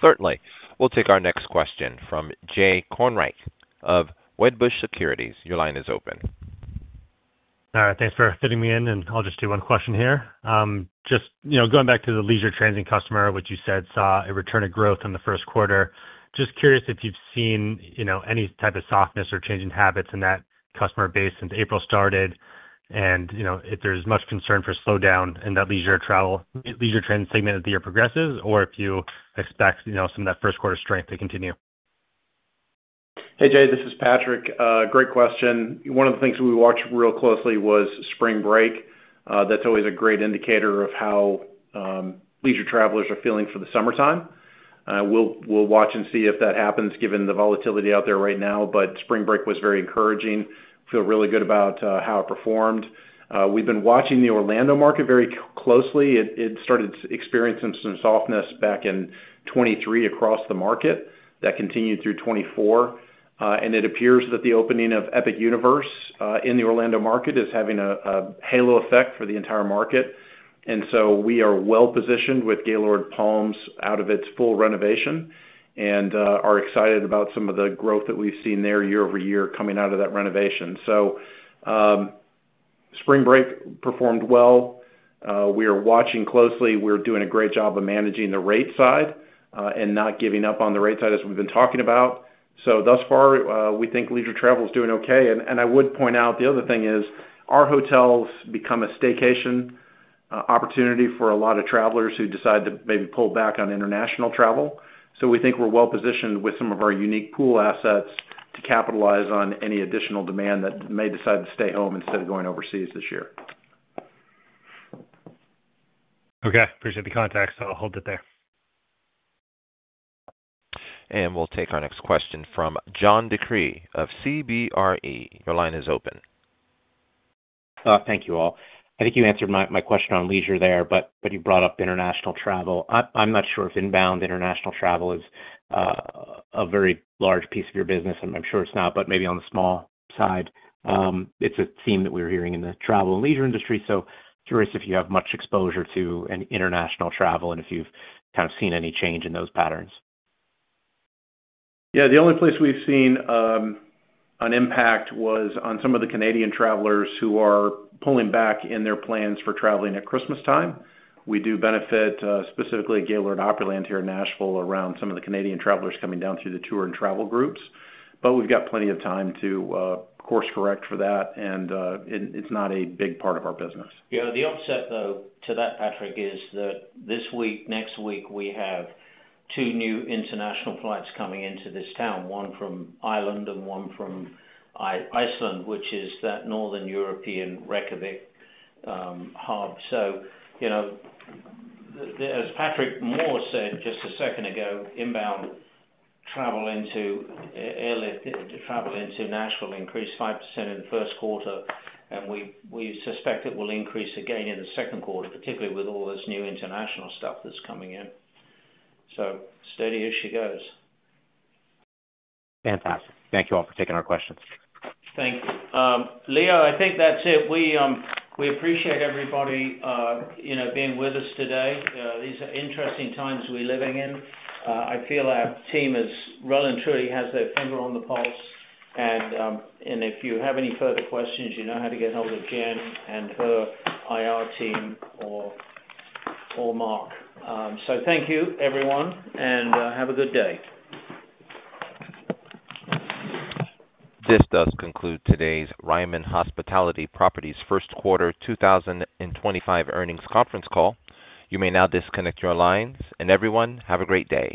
Certainly. We'll take our next question from Jay Kornreich of Wedbush Securities. Your line is open. All right. Thanks for fitting me in. I'll just do one question here. Just going back to the leisure transient customer, which you said saw a return to growth in the first quarter. Just curious if you've seen you know any type of softness or changing habits in that customer base since April started, and if there's much concern for slowdown in that leisure travel, leisure transient segment as the year progresses, or if you expect some of that first quarter strength to continue. Hey, Jay. This is Patrick. Great question. One of the things we watched real closely was spring break. That's always a great indicator of how leisure travelers are feeling for the summertime. We'll watch and see if that happens given the volatility out there right now. But spring break was very encouraging. I feel really good about how it performed. We've been watching the Orlando market very closely. It started experiencing some softness back in 2023 across the market. That continued through 2024. It appears that the opening of Epic Universe in the Orlando market is having a halo effect for the entire market. And so we are well positioned with Gaylord Palms out of its full renovation and are excited about some of the growth that we've seen there year over year coming out of that renovation. Spring break performed well. We are watching closely. We're doing a great job of managing the rate side and not giving up on the rate side as we've been talking about. So thus far, we think leisure travel is doing okay. I would point out the other thing is our hotels become a staycation opportunity for a lot of travelers who decide to maybe pull back on international travel. So we think we're well positioned with some of our unique pool assets to capitalize on any additional demand that may decide to stay home instead of going overseas this year. Okay. Appreciate the context. I'll hold it there. And we'll take our next question from John DeCree of CBRE. Your line is open. Thank you all. I think you answered my question on leisure there, but you brought up international travel. I'm not sure if inbound international travel is a very large piece of your business. I'm sure it's not, but maybe on the small side. It's a theme that we're hearing in the travel and leisure industry. So curious if you have much exposure to international travel and if you've kind of seen any change in those patterns. Yeah. The only place we've seen uhm an impact was on some of the Canadian travelers who are pulling back in their plans for traveling at Christmas time. We do benefit specifically Gaylord Opryland here in Nashville around some of the Canadian travelers coming down through the tour and travel groups. But we've got plenty of time to course correct for that. It's not a big part of our business. Yeah. The upside, though, to that, Patrick, is that this week, next week, we have two new international flights coming into this town, one from Ireland and one from Iceland, which is that northern European Reykjavik hub. As Patrick Moore said just a second ago, inbound travel into Nashville increased 5% in the first quarter. And we suspect it will increase again in the second quarter, particularly with all this new international stuff that's coming in. So steady as she goes. Fantastic. Thank you all for taking our questions. Thank you. Leo, I think that's it. We appreciate everybody uh you know being with us today. These are interesting times we're living in. I feel our team has well and truly has their finger on the pulse. And if you have any further questions, you know how to get hold of Jen and her IR team or Mark. So thank you, everyone, and have a good day. This does conclude today's Ryman Hospitality Properties First Quarter 2025 Earnings Conference Call. You may now disconnect your lines. Everyone, have a great day.